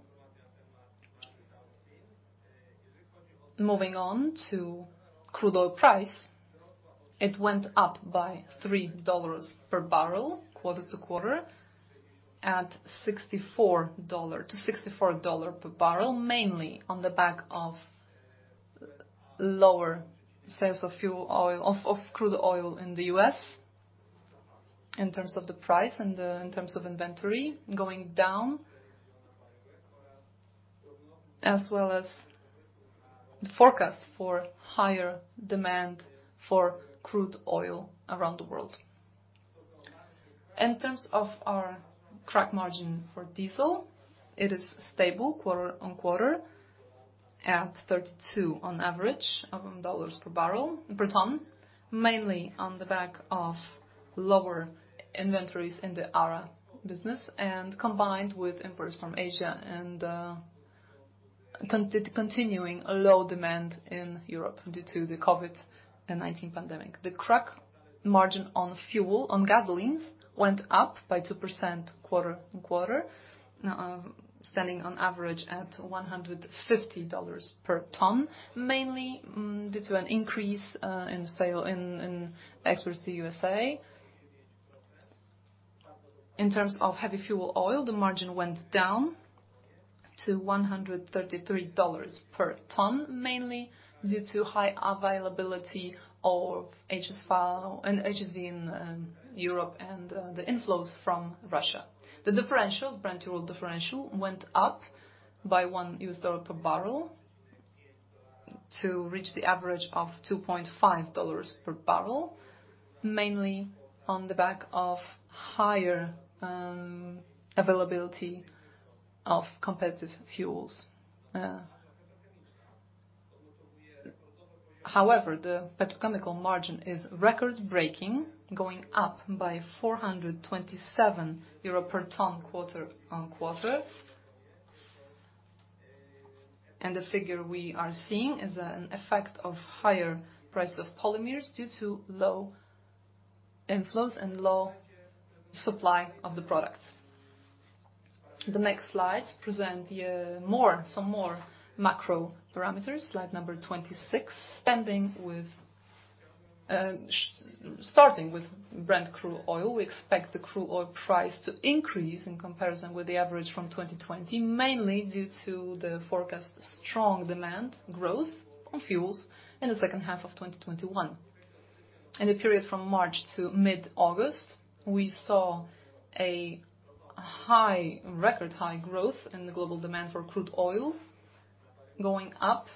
Moving on to crude oil price. It went up by $3 per barrel quarter-to-quarter to $ 64 per barrel, mainly on the back of lower sales of crude oil in the U.S. in terms of the price and in terms of inventory going down, as well as the forecast for higher demand for crude oil around the world. In terms of our crack margin for diesel, it is stable quarter-on-quarter at $ 32 on average per ton, mainly on the back of lower inventories in the ARA business, and combined with imports from Asia, and continuing a low demand in Europe due to the COVID-19 pandemic. The crack margin on fuel, on gasolines, went up by 2% quarter-on-quarter, standing on average at $150 per ton, mainly due to an increase in exports to U.S.A. In terms of heavy fuel oil, the margin went down to $133 per ton, mainly due to high availability of HSFO in Europe and the inflows from Russia. The differential, Brent crude oil differential, went up by $1 per barrel to reach the average of $2.5 per barrel, mainly on the back of higher availability of competitive fuels. The petrochemical margin is record-breaking, going up by 427 euro per ton quarter-on-quarter. The figure we are seeing is an effect of higher price of polymers due to low inflows and low supply of the products. The next slide present some more macro parameters, slide number 26. Starting with Brent crude oil, we expect the crude oil price to increase in comparison with the average from 2020, mainly due to the forecast strong demand growth of fuels in the second half of 2021. In the period from March to mid August, we saw a record high growth in the global demand for crude oil, going up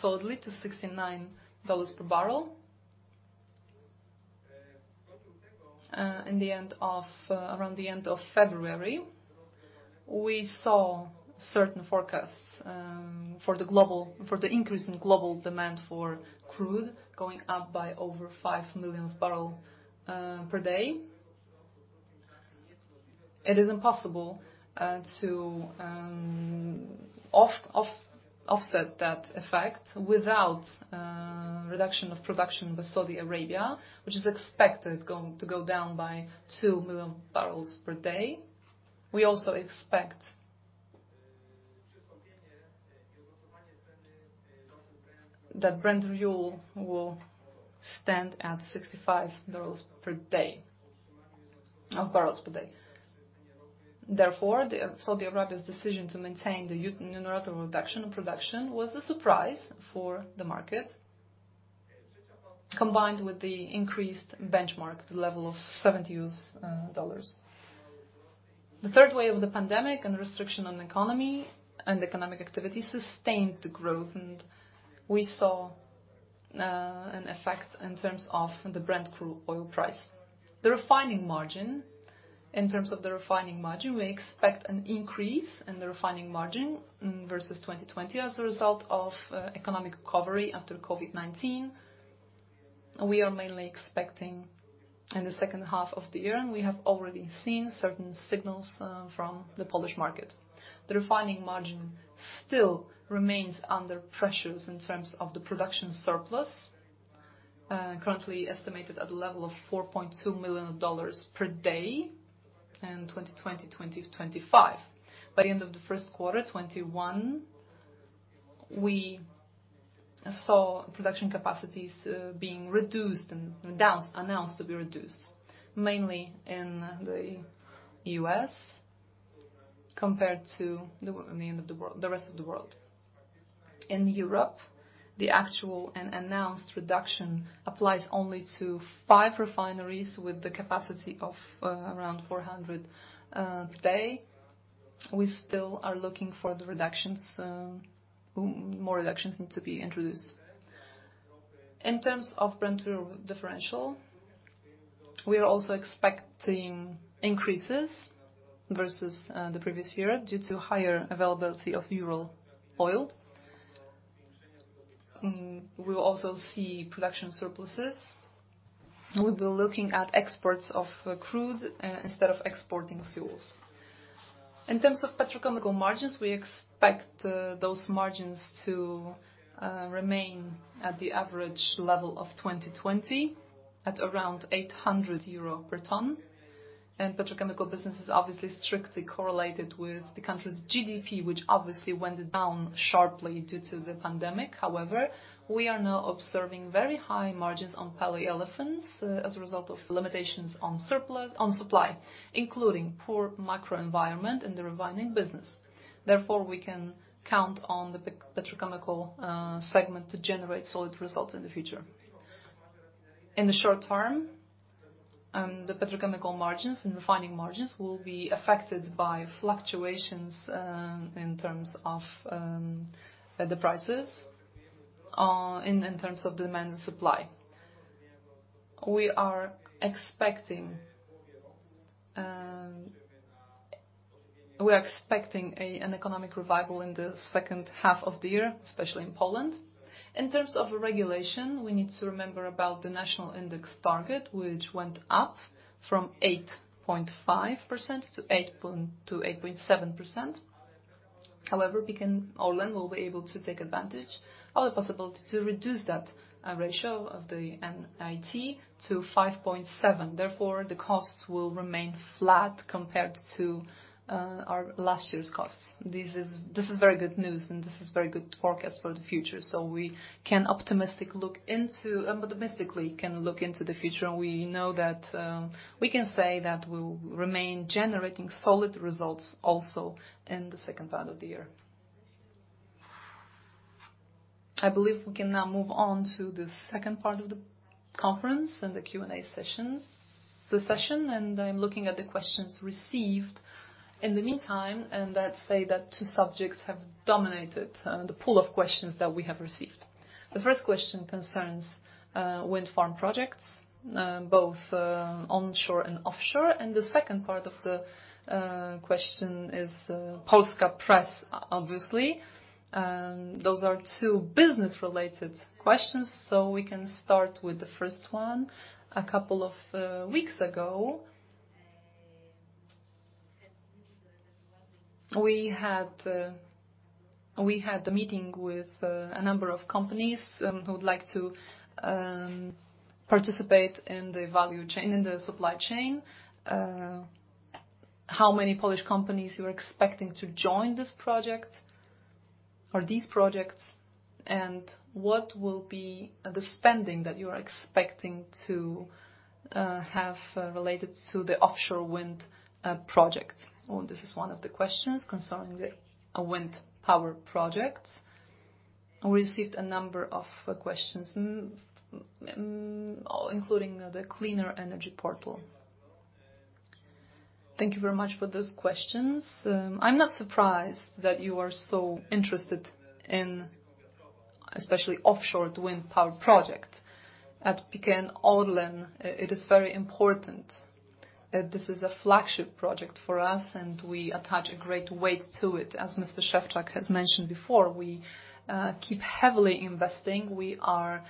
solidly to $69 per barrel. Around the end of February, we saw certain forecasts for the increase in global demand for crude going up by over 5 million of barrel per day. It is impossible to offset that effect without reduction of production with Saudi Arabia, which is expected to go down by 2 million barrels per day. We also expect that Brent crude oil will stand at $65 barrels per day. Saudi Arabia's decision to maintain the unilateral reduction of production was a surprise for the market, combined with the increased benchmark, the level of $70. The third wave of the pandemic and restriction on economy and economic activity sustained the growth, we saw an effect in terms of the Brent crude oil price. In terms of the refining margin, we expect an increase in the refining margin versus 2020 as a result of economic recovery after COVID-19. We are mainly expecting in the second half of the year, and we have already seen certain signals from the Polish market. The refining margin still remains under pressure in terms of the production surplus, currently estimated at a level of 4.2 million barrels per day in 2020, 2025. By end of the first quarter 2021, we saw production capacities being reduced and announced to be reduced, mainly in the U.S. compared to the rest of the world. In Europe, the actual and announced reduction applies only to five refineries with the capacity of around 400 day. We still are looking for the more reductions to be introduced. In terms of Brent crude differential, we are also expecting increases versus the previous year due to higher availability of Ural oil. We will also see production surpluses. We'll be looking at exports of crude instead of exporting fuels. In terms of petrochemical margins, we expect those margins to remain at the average level of 2020 at around 800 euro per ton. Petrochemical business is obviously strictly correlated with the country's GDP, which obviously went down sharply due to the pandemic. We are now observing very high margins on polyolefins as a result of limitations on supply, including poor macro environment in the refining business. We can count on the petrochemical segment to generate solid results in the future. In the short term, the petrochemical margins and refining margins will be affected by fluctuations in terms of the prices, in terms of demand and supply. We are expecting an economic revival in the second half of the year, especially in Poland. In terms of regulation, we need to remember about the National Index Target, which went up from 8.5%-8.7%. PKN Orlen will be able to take advantage of the possibility to reduce that ratio of the NIT to 5.7%. The costs will remain flat compared to our last year's costs. This is very good news and this is very good forecast for the future. We optimistically can look into the future, and we know that we can say that we'll remain generating solid results also in the second part of the year. I believe we can now move on to the second part of the conference and the Q&A session. I'm looking at the questions received in the meantime, let's say that two subjects have dominated the pool of questions that we have received. The first question concerns wind farm projects, both onshore and offshore, and the second part of the question is Polska Press, obviously. Those are two business-related questions, so we can start with the first one. A couple of weeks ago, we had a meeting with a number of companies who would like to participate in the supply chain. How many Polish companies you are expecting to join this project or these projects, and what will be the spending that you are expecting to have related to the offshore wind projects? This is one of the questions concerning the wind power projects. We received a number of questions, including the cleaner energy portal. Thank you very much for those questions. I'm not surprised that you are so interested in, especially offshore wind power project. At PKN Orlen, it is very important. This is a flagship project for us, and we attach a great weight to it. As Mr. Szewczak has mentioned before, we keep heavily investing, we are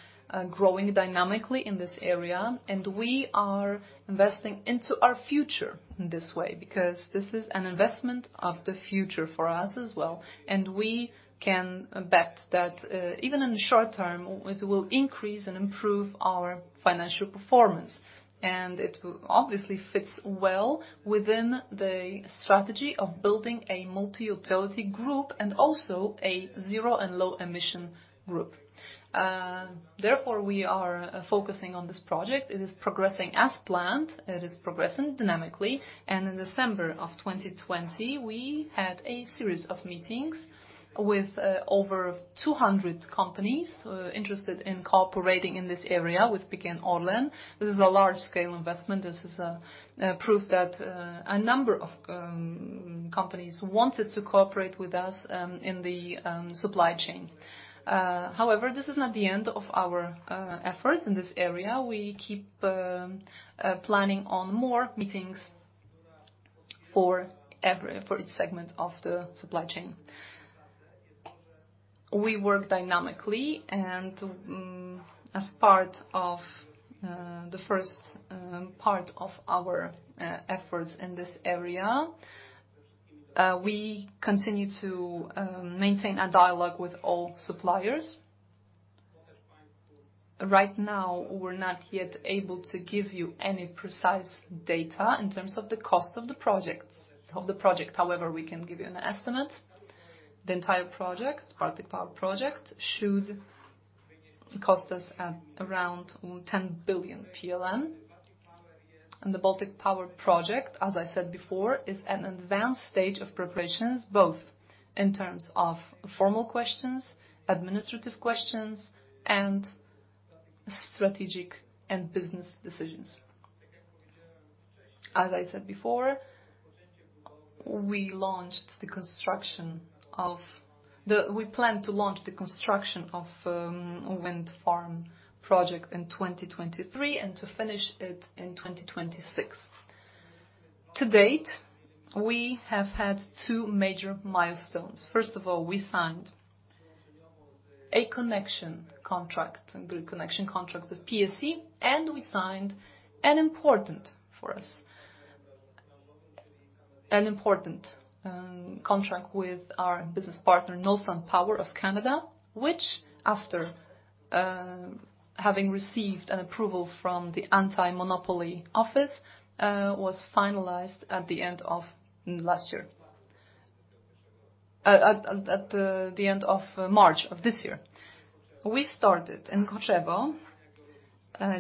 growing dynamically in this area, and we are investing into our future in this way, because this is an investment of the future for us as well. We can bet that, even in the short term, it will increase and improve our financial performance. It obviously fits well within the strategy of building a multi-utility group and also a zero and low emission group. Therefore, we are focusing on this project. It is progressing as planned. It is progressing dynamically, and in December of 2020, we had a series of meetings with over 200 companies interested in cooperating in this area with PKN Orlen. This is a large-scale investment. This is a proof that Companies wanted to cooperate with us in the supply chain. However, this is not the end of our efforts in this area. We keep planning on more meetings for each segment of the supply chain. We work dynamically, as part of the first part of our efforts in this area, we continue to maintain a dialogue with all suppliers. Right now, we're not yet able to give you any precise data in terms of the cost of the project. However, we can give you an estimate. The entire project, Baltic Power project, should cost us at around 10 billion. The Baltic Power project, as I said before, is an advanced stage of preparations, both in terms of formal questions, administrative questions, and strategic and business decisions. As I said before, we plan to launch the construction of a wind farm project in 2023 and to finish it in 2026. To date, we have had two major milestones. First of all, we signed a connection contract, a grid connection contract with PSE, we signed an important contract with our business partner, Northland Power of Canada, which, after having received an approval from the anti-monopoly office, was finalized at the end of March of this year. We started in Choczewo,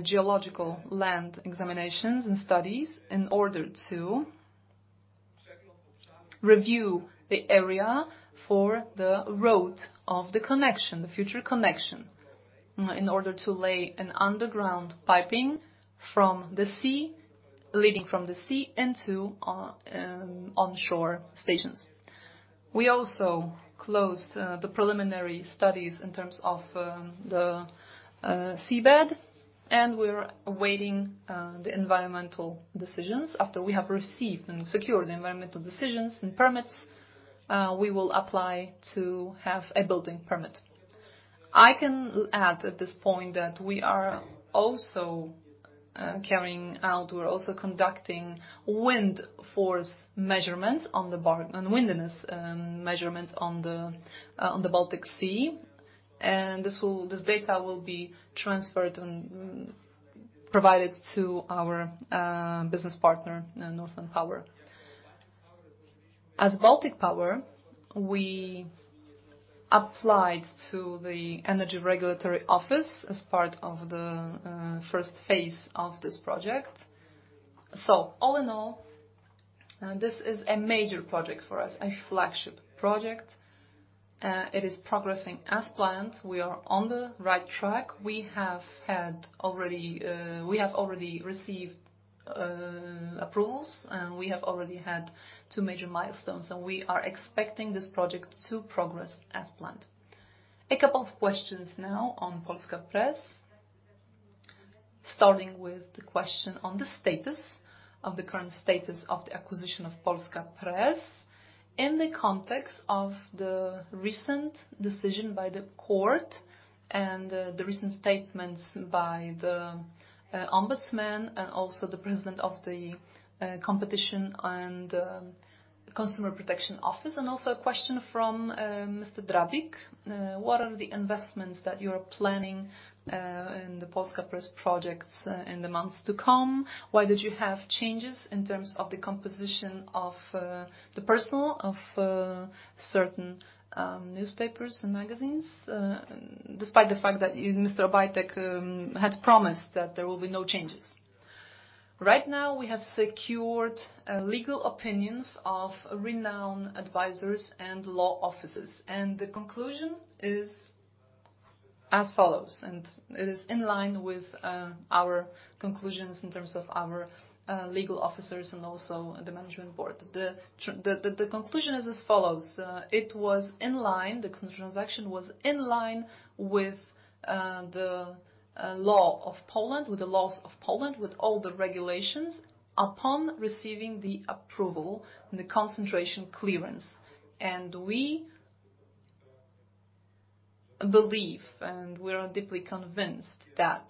geological land examinations and studies in order to review the area for the road of the connection, the future connection, in order to lay an underground piping leading from the sea into onshore stations. We also closed the preliminary studies in terms of the seabed, we're awaiting the environmental decisions. After we have received and secured the environmental decisions and permits, we will apply to have a building permit. I can add at this point that we're also conducting wind force measurements and windiness measurements on the Baltic Sea. This data will be transferred and provided to our business partner, Northland Power. As Baltic Power, we applied to the energy regulatory office as part of the first phase of this project. All in all, this is a major project for us, a flagship project. It is progressing as planned. We are on the right track. We have already received approvals, and we have already had two major milestones, and we are expecting this project to progress as planned. A couple of questions now on Polska Press, starting with the question on the current status of the acquisition of Polska Press in the context of the recent decision by the court and the recent statements by the ombudsman and also the president of the Office of Competition and Consumer Protection, and also a question from Mr. Drabik. What are the investments that you're planning in the Polska Press projects in the months to come? Why did you have changes in terms of the composition of the personal of certain newspapers and magazines, despite the fact that Mr. Daniel Obajtek had promised that there will be no changes? Right now, we have secured legal opinions of renowned advisors and law offices, and the conclusion is as follows, and it is in line with our conclusions in terms of our legal officers and also the management board. The conclusion is as follows: the transaction was in line with the laws of Poland, with all the regulations, upon receiving the approval and the concentration clearance. We believe, and we are deeply convinced that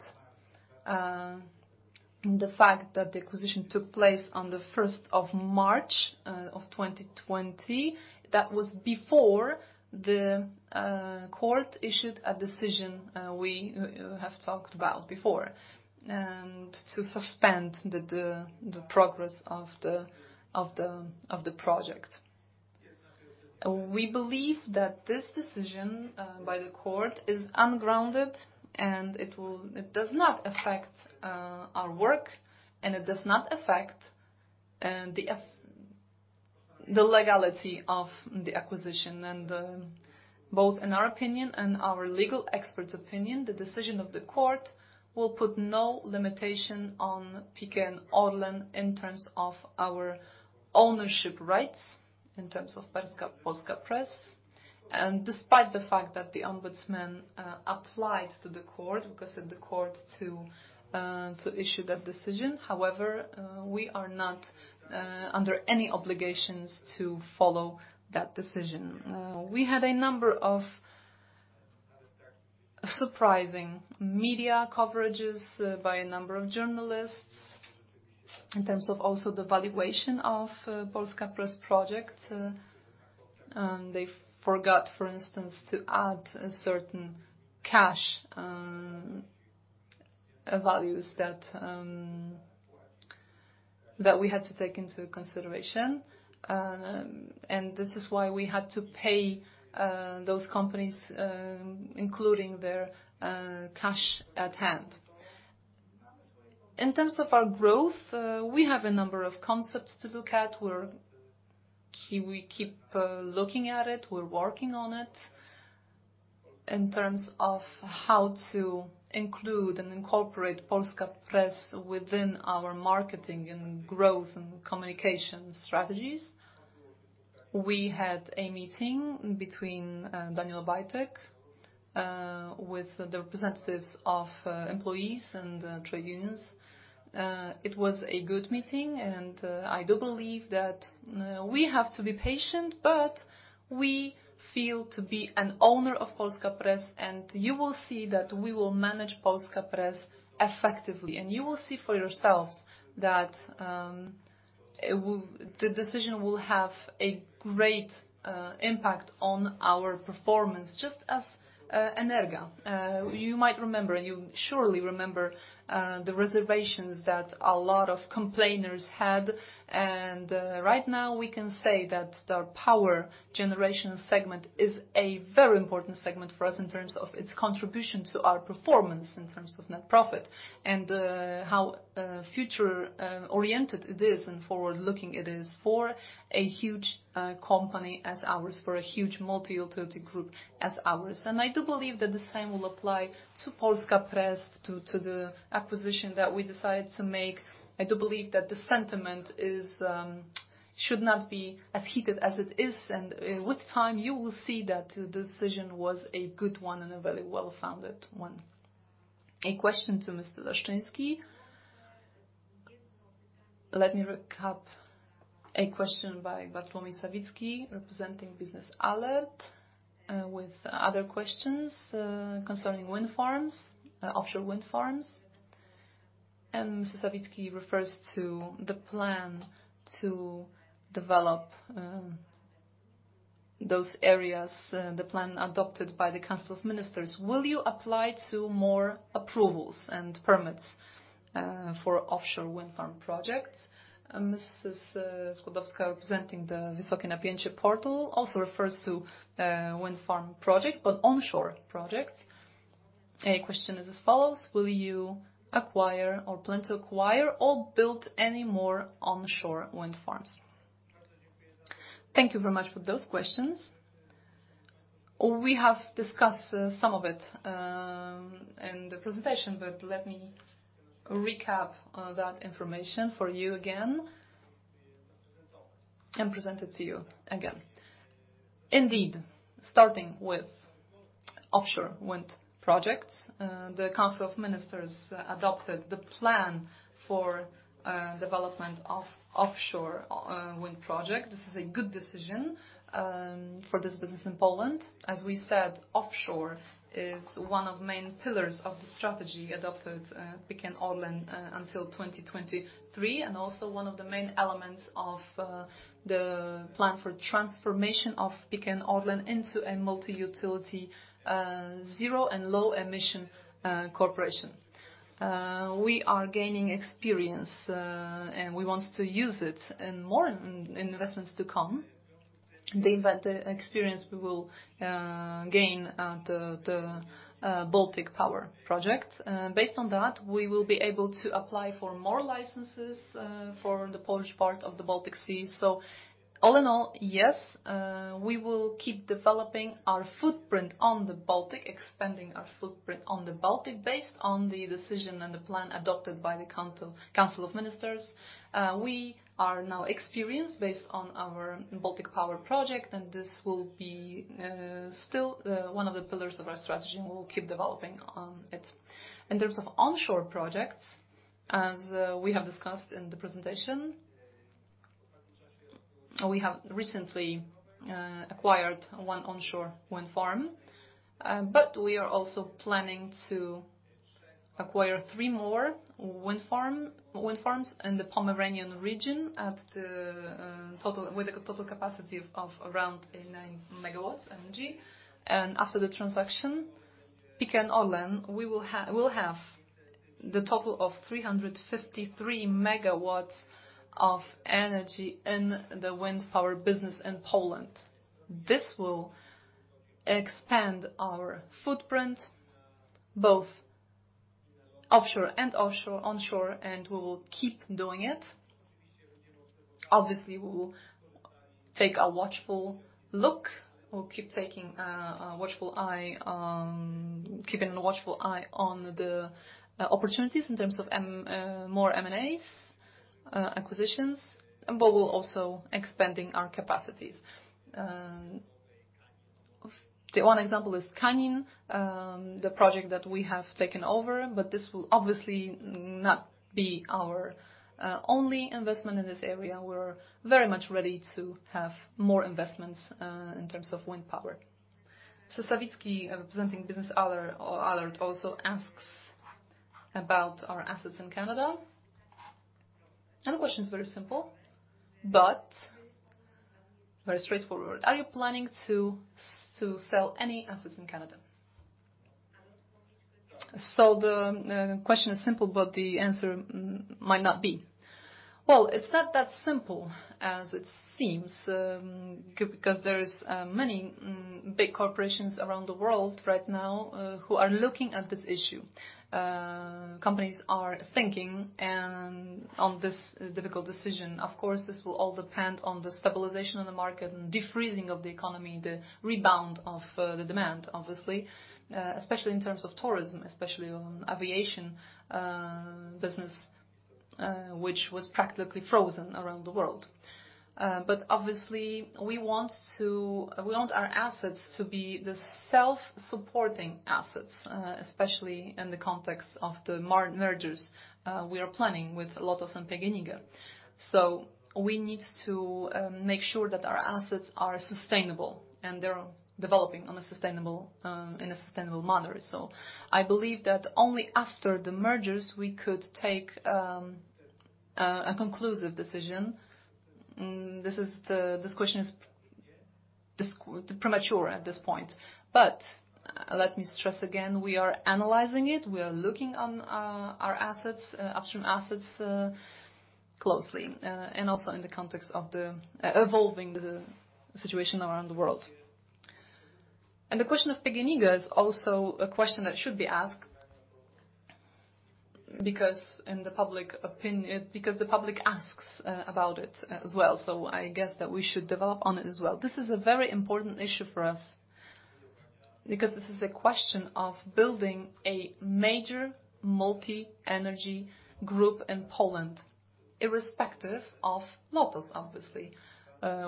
the fact that the acquisition took place on the 1st of March of 2020, that was before the court issued a decision we have talked about before to suspend the progress of the project. We believe that this decision by the court is ungrounded, it does not affect our work, it does not affect the legality of the acquisition. Both in our opinion and our legal expert's opinion, the decision of the court will put no limitation on PKN Orlen in terms of our ownership rights in terms of Polska Press. Despite the fact that the ombudsman applied to the court, because of the court to issue that decision, however, we are not under any obligations to follow that decision. We had a number of surprising media coverages by a number of journalists in terms of also the valuation of Polska Press project. They forgot, for instance, to add certain cash values that we had to take into consideration. This is why we had to pay those companies, including their cash at hand. In terms of our growth, we have a number of concepts to look at. We keep looking at it, we're working on it. In terms of how to include and incorporate Polska Press within our marketing and growth and communication strategies. We had a meeting between Daniel Obajtek, with the representatives of employees and trade unions. It was a good meeting. I do believe that we have to be patient, but we feel to be an owner of Polska Press. You will see that we will manage Polska Press effectively. You will see for yourselves that the decision will have a great impact on our performance, just as Energa. You might remember, you surely remember, the reservations that a lot of complainers had. Right now we can say that the power generation segment is a very important segment for us in terms of its contribution to our performance in terms of net profit and how future-oriented it is and forward-looking it is for a huge company as ours, for a huge multi-utility group as ours. I do believe that the same will apply to Polska Press, to the acquisition that we decided to make. I do believe that the sentiment should not be as heated as it is, and with time you will see that the decision was a good one and a very well-founded one. A question to Mr. Zbigniew Leszczyński. Let me recap a question by Bartłomiej Sawicki, representing BiznesAlert.pl, with other questions concerning wind farms, offshore wind farms. Mr. Sawicki refers to the plan to develop those areas, the plan adopted by the Council of Ministers. Will you apply to more approvals and permits for offshore wind farm projects? Mrs. Magdalena Skłodowska, representing the WysokieNapiecie.pl portal, also refers to wind farm projects, but onshore projects. A question is as follows: Will you acquire or plan to acquire or build any more onshore wind farms? Thank you very much for those questions. We have discussed some of it in the presentation. Let me recap that information for you again and present it to you again. Starting with offshore wind projects, the Council of Ministers adopted the plan for development of offshore wind project. This is a good decision for this business in Poland. As we said, offshore is one of main pillars of the strategy adopted PKN Orlen until 2023, and also one of the main elements of the plan for transformation of PKN Orlen into a multi-utility, zero and low-emission corporation. We are gaining experience, and we want to use it in more investments to come. The experience we will gain at the Baltic Power project. Based on that, we will be able to apply for more licenses for the Polish part of the Baltic Sea. All in all, yes, we will keep developing our footprint on the Baltic, expanding our footprint on the Baltic based on the decision and the plan adopted by the Council of Ministers. We are now experienced based on our Baltic Power project, and this will be still one of the pillars of our strategy, and we will keep developing on it. In terms of onshore projects, as we have discussed in the presentation, we have recently acquired one onshore wind farm, but we are also planning to acquire three more wind farms in the Pomeranian region with a total capacity of around 89 MW energy. After the transaction, PKN Orlen will have the total of 353 MW of energy in the wind power business in Poland. This will expand our footprint, both offshore and onshore, and we will keep doing it. Obviously, we will take a watchful look. We'll keep taking a watchful eye on the opportunities in terms of more M&As, acquisitions, but we're also expanding our capacities. The one example is Kanin, the project that we have taken over, but this will obviously not be our only investment in this area. We're very much ready to have more investments in terms of wind power. Sawicki, representing BiznesAlert.pl, also asks about our assets in Canada. The question is very simple but very straightforward. Are you planning to sell any assets in Canada? The question is simple, but the answer might not be. Well, it's not that simple as it seems, because there is many big corporations around the world right now, who are looking at this issue. Companies are thinking on this difficult decision. This will all depend on the stabilization of the market and defreezing of the economy, the rebound of the demand, obviously, especially in terms of tourism, especially on aviation business, which was practically frozen around the world. Obviously, we want our assets to be the self-supporting assets, especially in the context of the mergers we are planning with Lotos and PGNiG. We need to make sure that our assets are sustainable and they're developing in a sustainable manner. I believe that only after the mergers, we could take a conclusive decision. This question is premature at this point. Let me stress again, we are analyzing it. We are looking on our upstream assets closely, and also in the context of the evolving situation around the world. The question of PGNiG is also a question that should be asked because the public asks about it as well. I guess that we should develop on it as well. This is a very important issue for us because this is a question of building a major multi-energy group in Poland, irrespective of Lotos, obviously,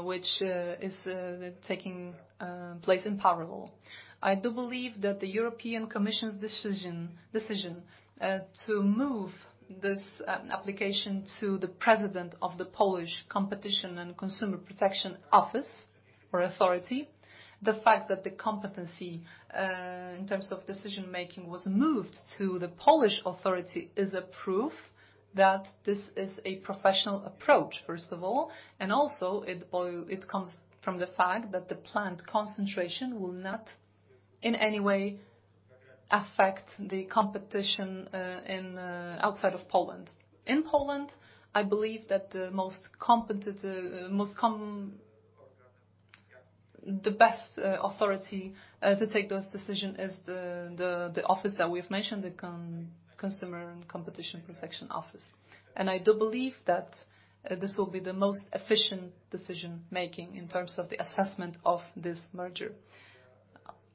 which is taking place in parallel. I do believe that the European Commission's decision to move this application to the president of the Polish Competition and Consumer Protection Office or authority, the fact that the competency, in terms of decision-making, was moved to the Polish authority, is a proof that this is a professional approach, first of all, and also it comes from the fact that the planned concentration will not in any way affect the competition outside of Poland. In Poland, I believe that the best authority to take this decision is the office that we've mentioned, the Office of Competition and Consumer Protection, I do believe that this will be the most efficient decision-making in terms of the assessment of this merger.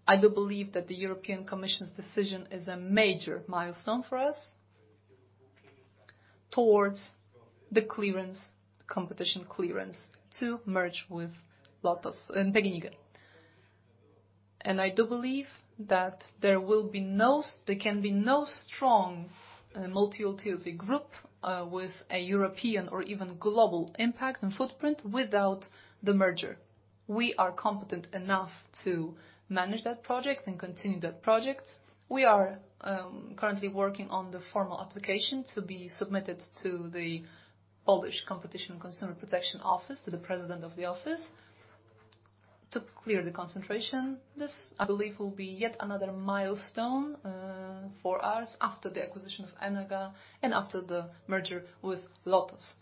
I do believe that the European Commission's decision is a major milestone for us towards the competition clearance to merge with Lotos and PGNiG. I do believe that there can be no strong multi-utility group, with a European or even global impact and footprint without the merger. We are competent enough to manage that project and continue that project. We are currently working on the formal application to be submitted to the Polish Office of Competition and Consumer Protection, to the president of the office, to clear the concentration. This, I believe, will be yet another milestone for us after the acquisition of Energa and after the merger with Lotos.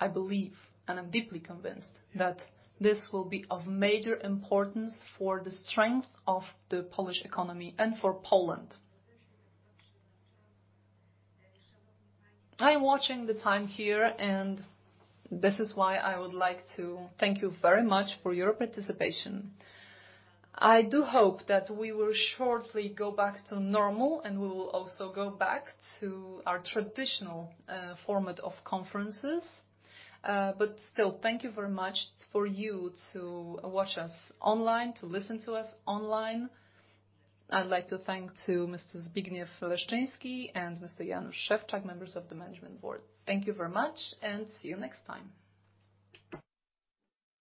I believe, and I'm deeply convinced that this will be of major importance for the strength of the Polish economy and for Poland. I'm watching the time here, and this is why I would like to thank you very much for your participation. I do hope that we will shortly go back to normal, and we will also go back to our traditional format of conferences. Still, thank you very much for you to watch us online, to listen to us online. I'd like to thank to Mr. Zbigniew Leszczyński and Mr. Jan Szewczak, Members of the Management Board. Thank you very much and see you next time.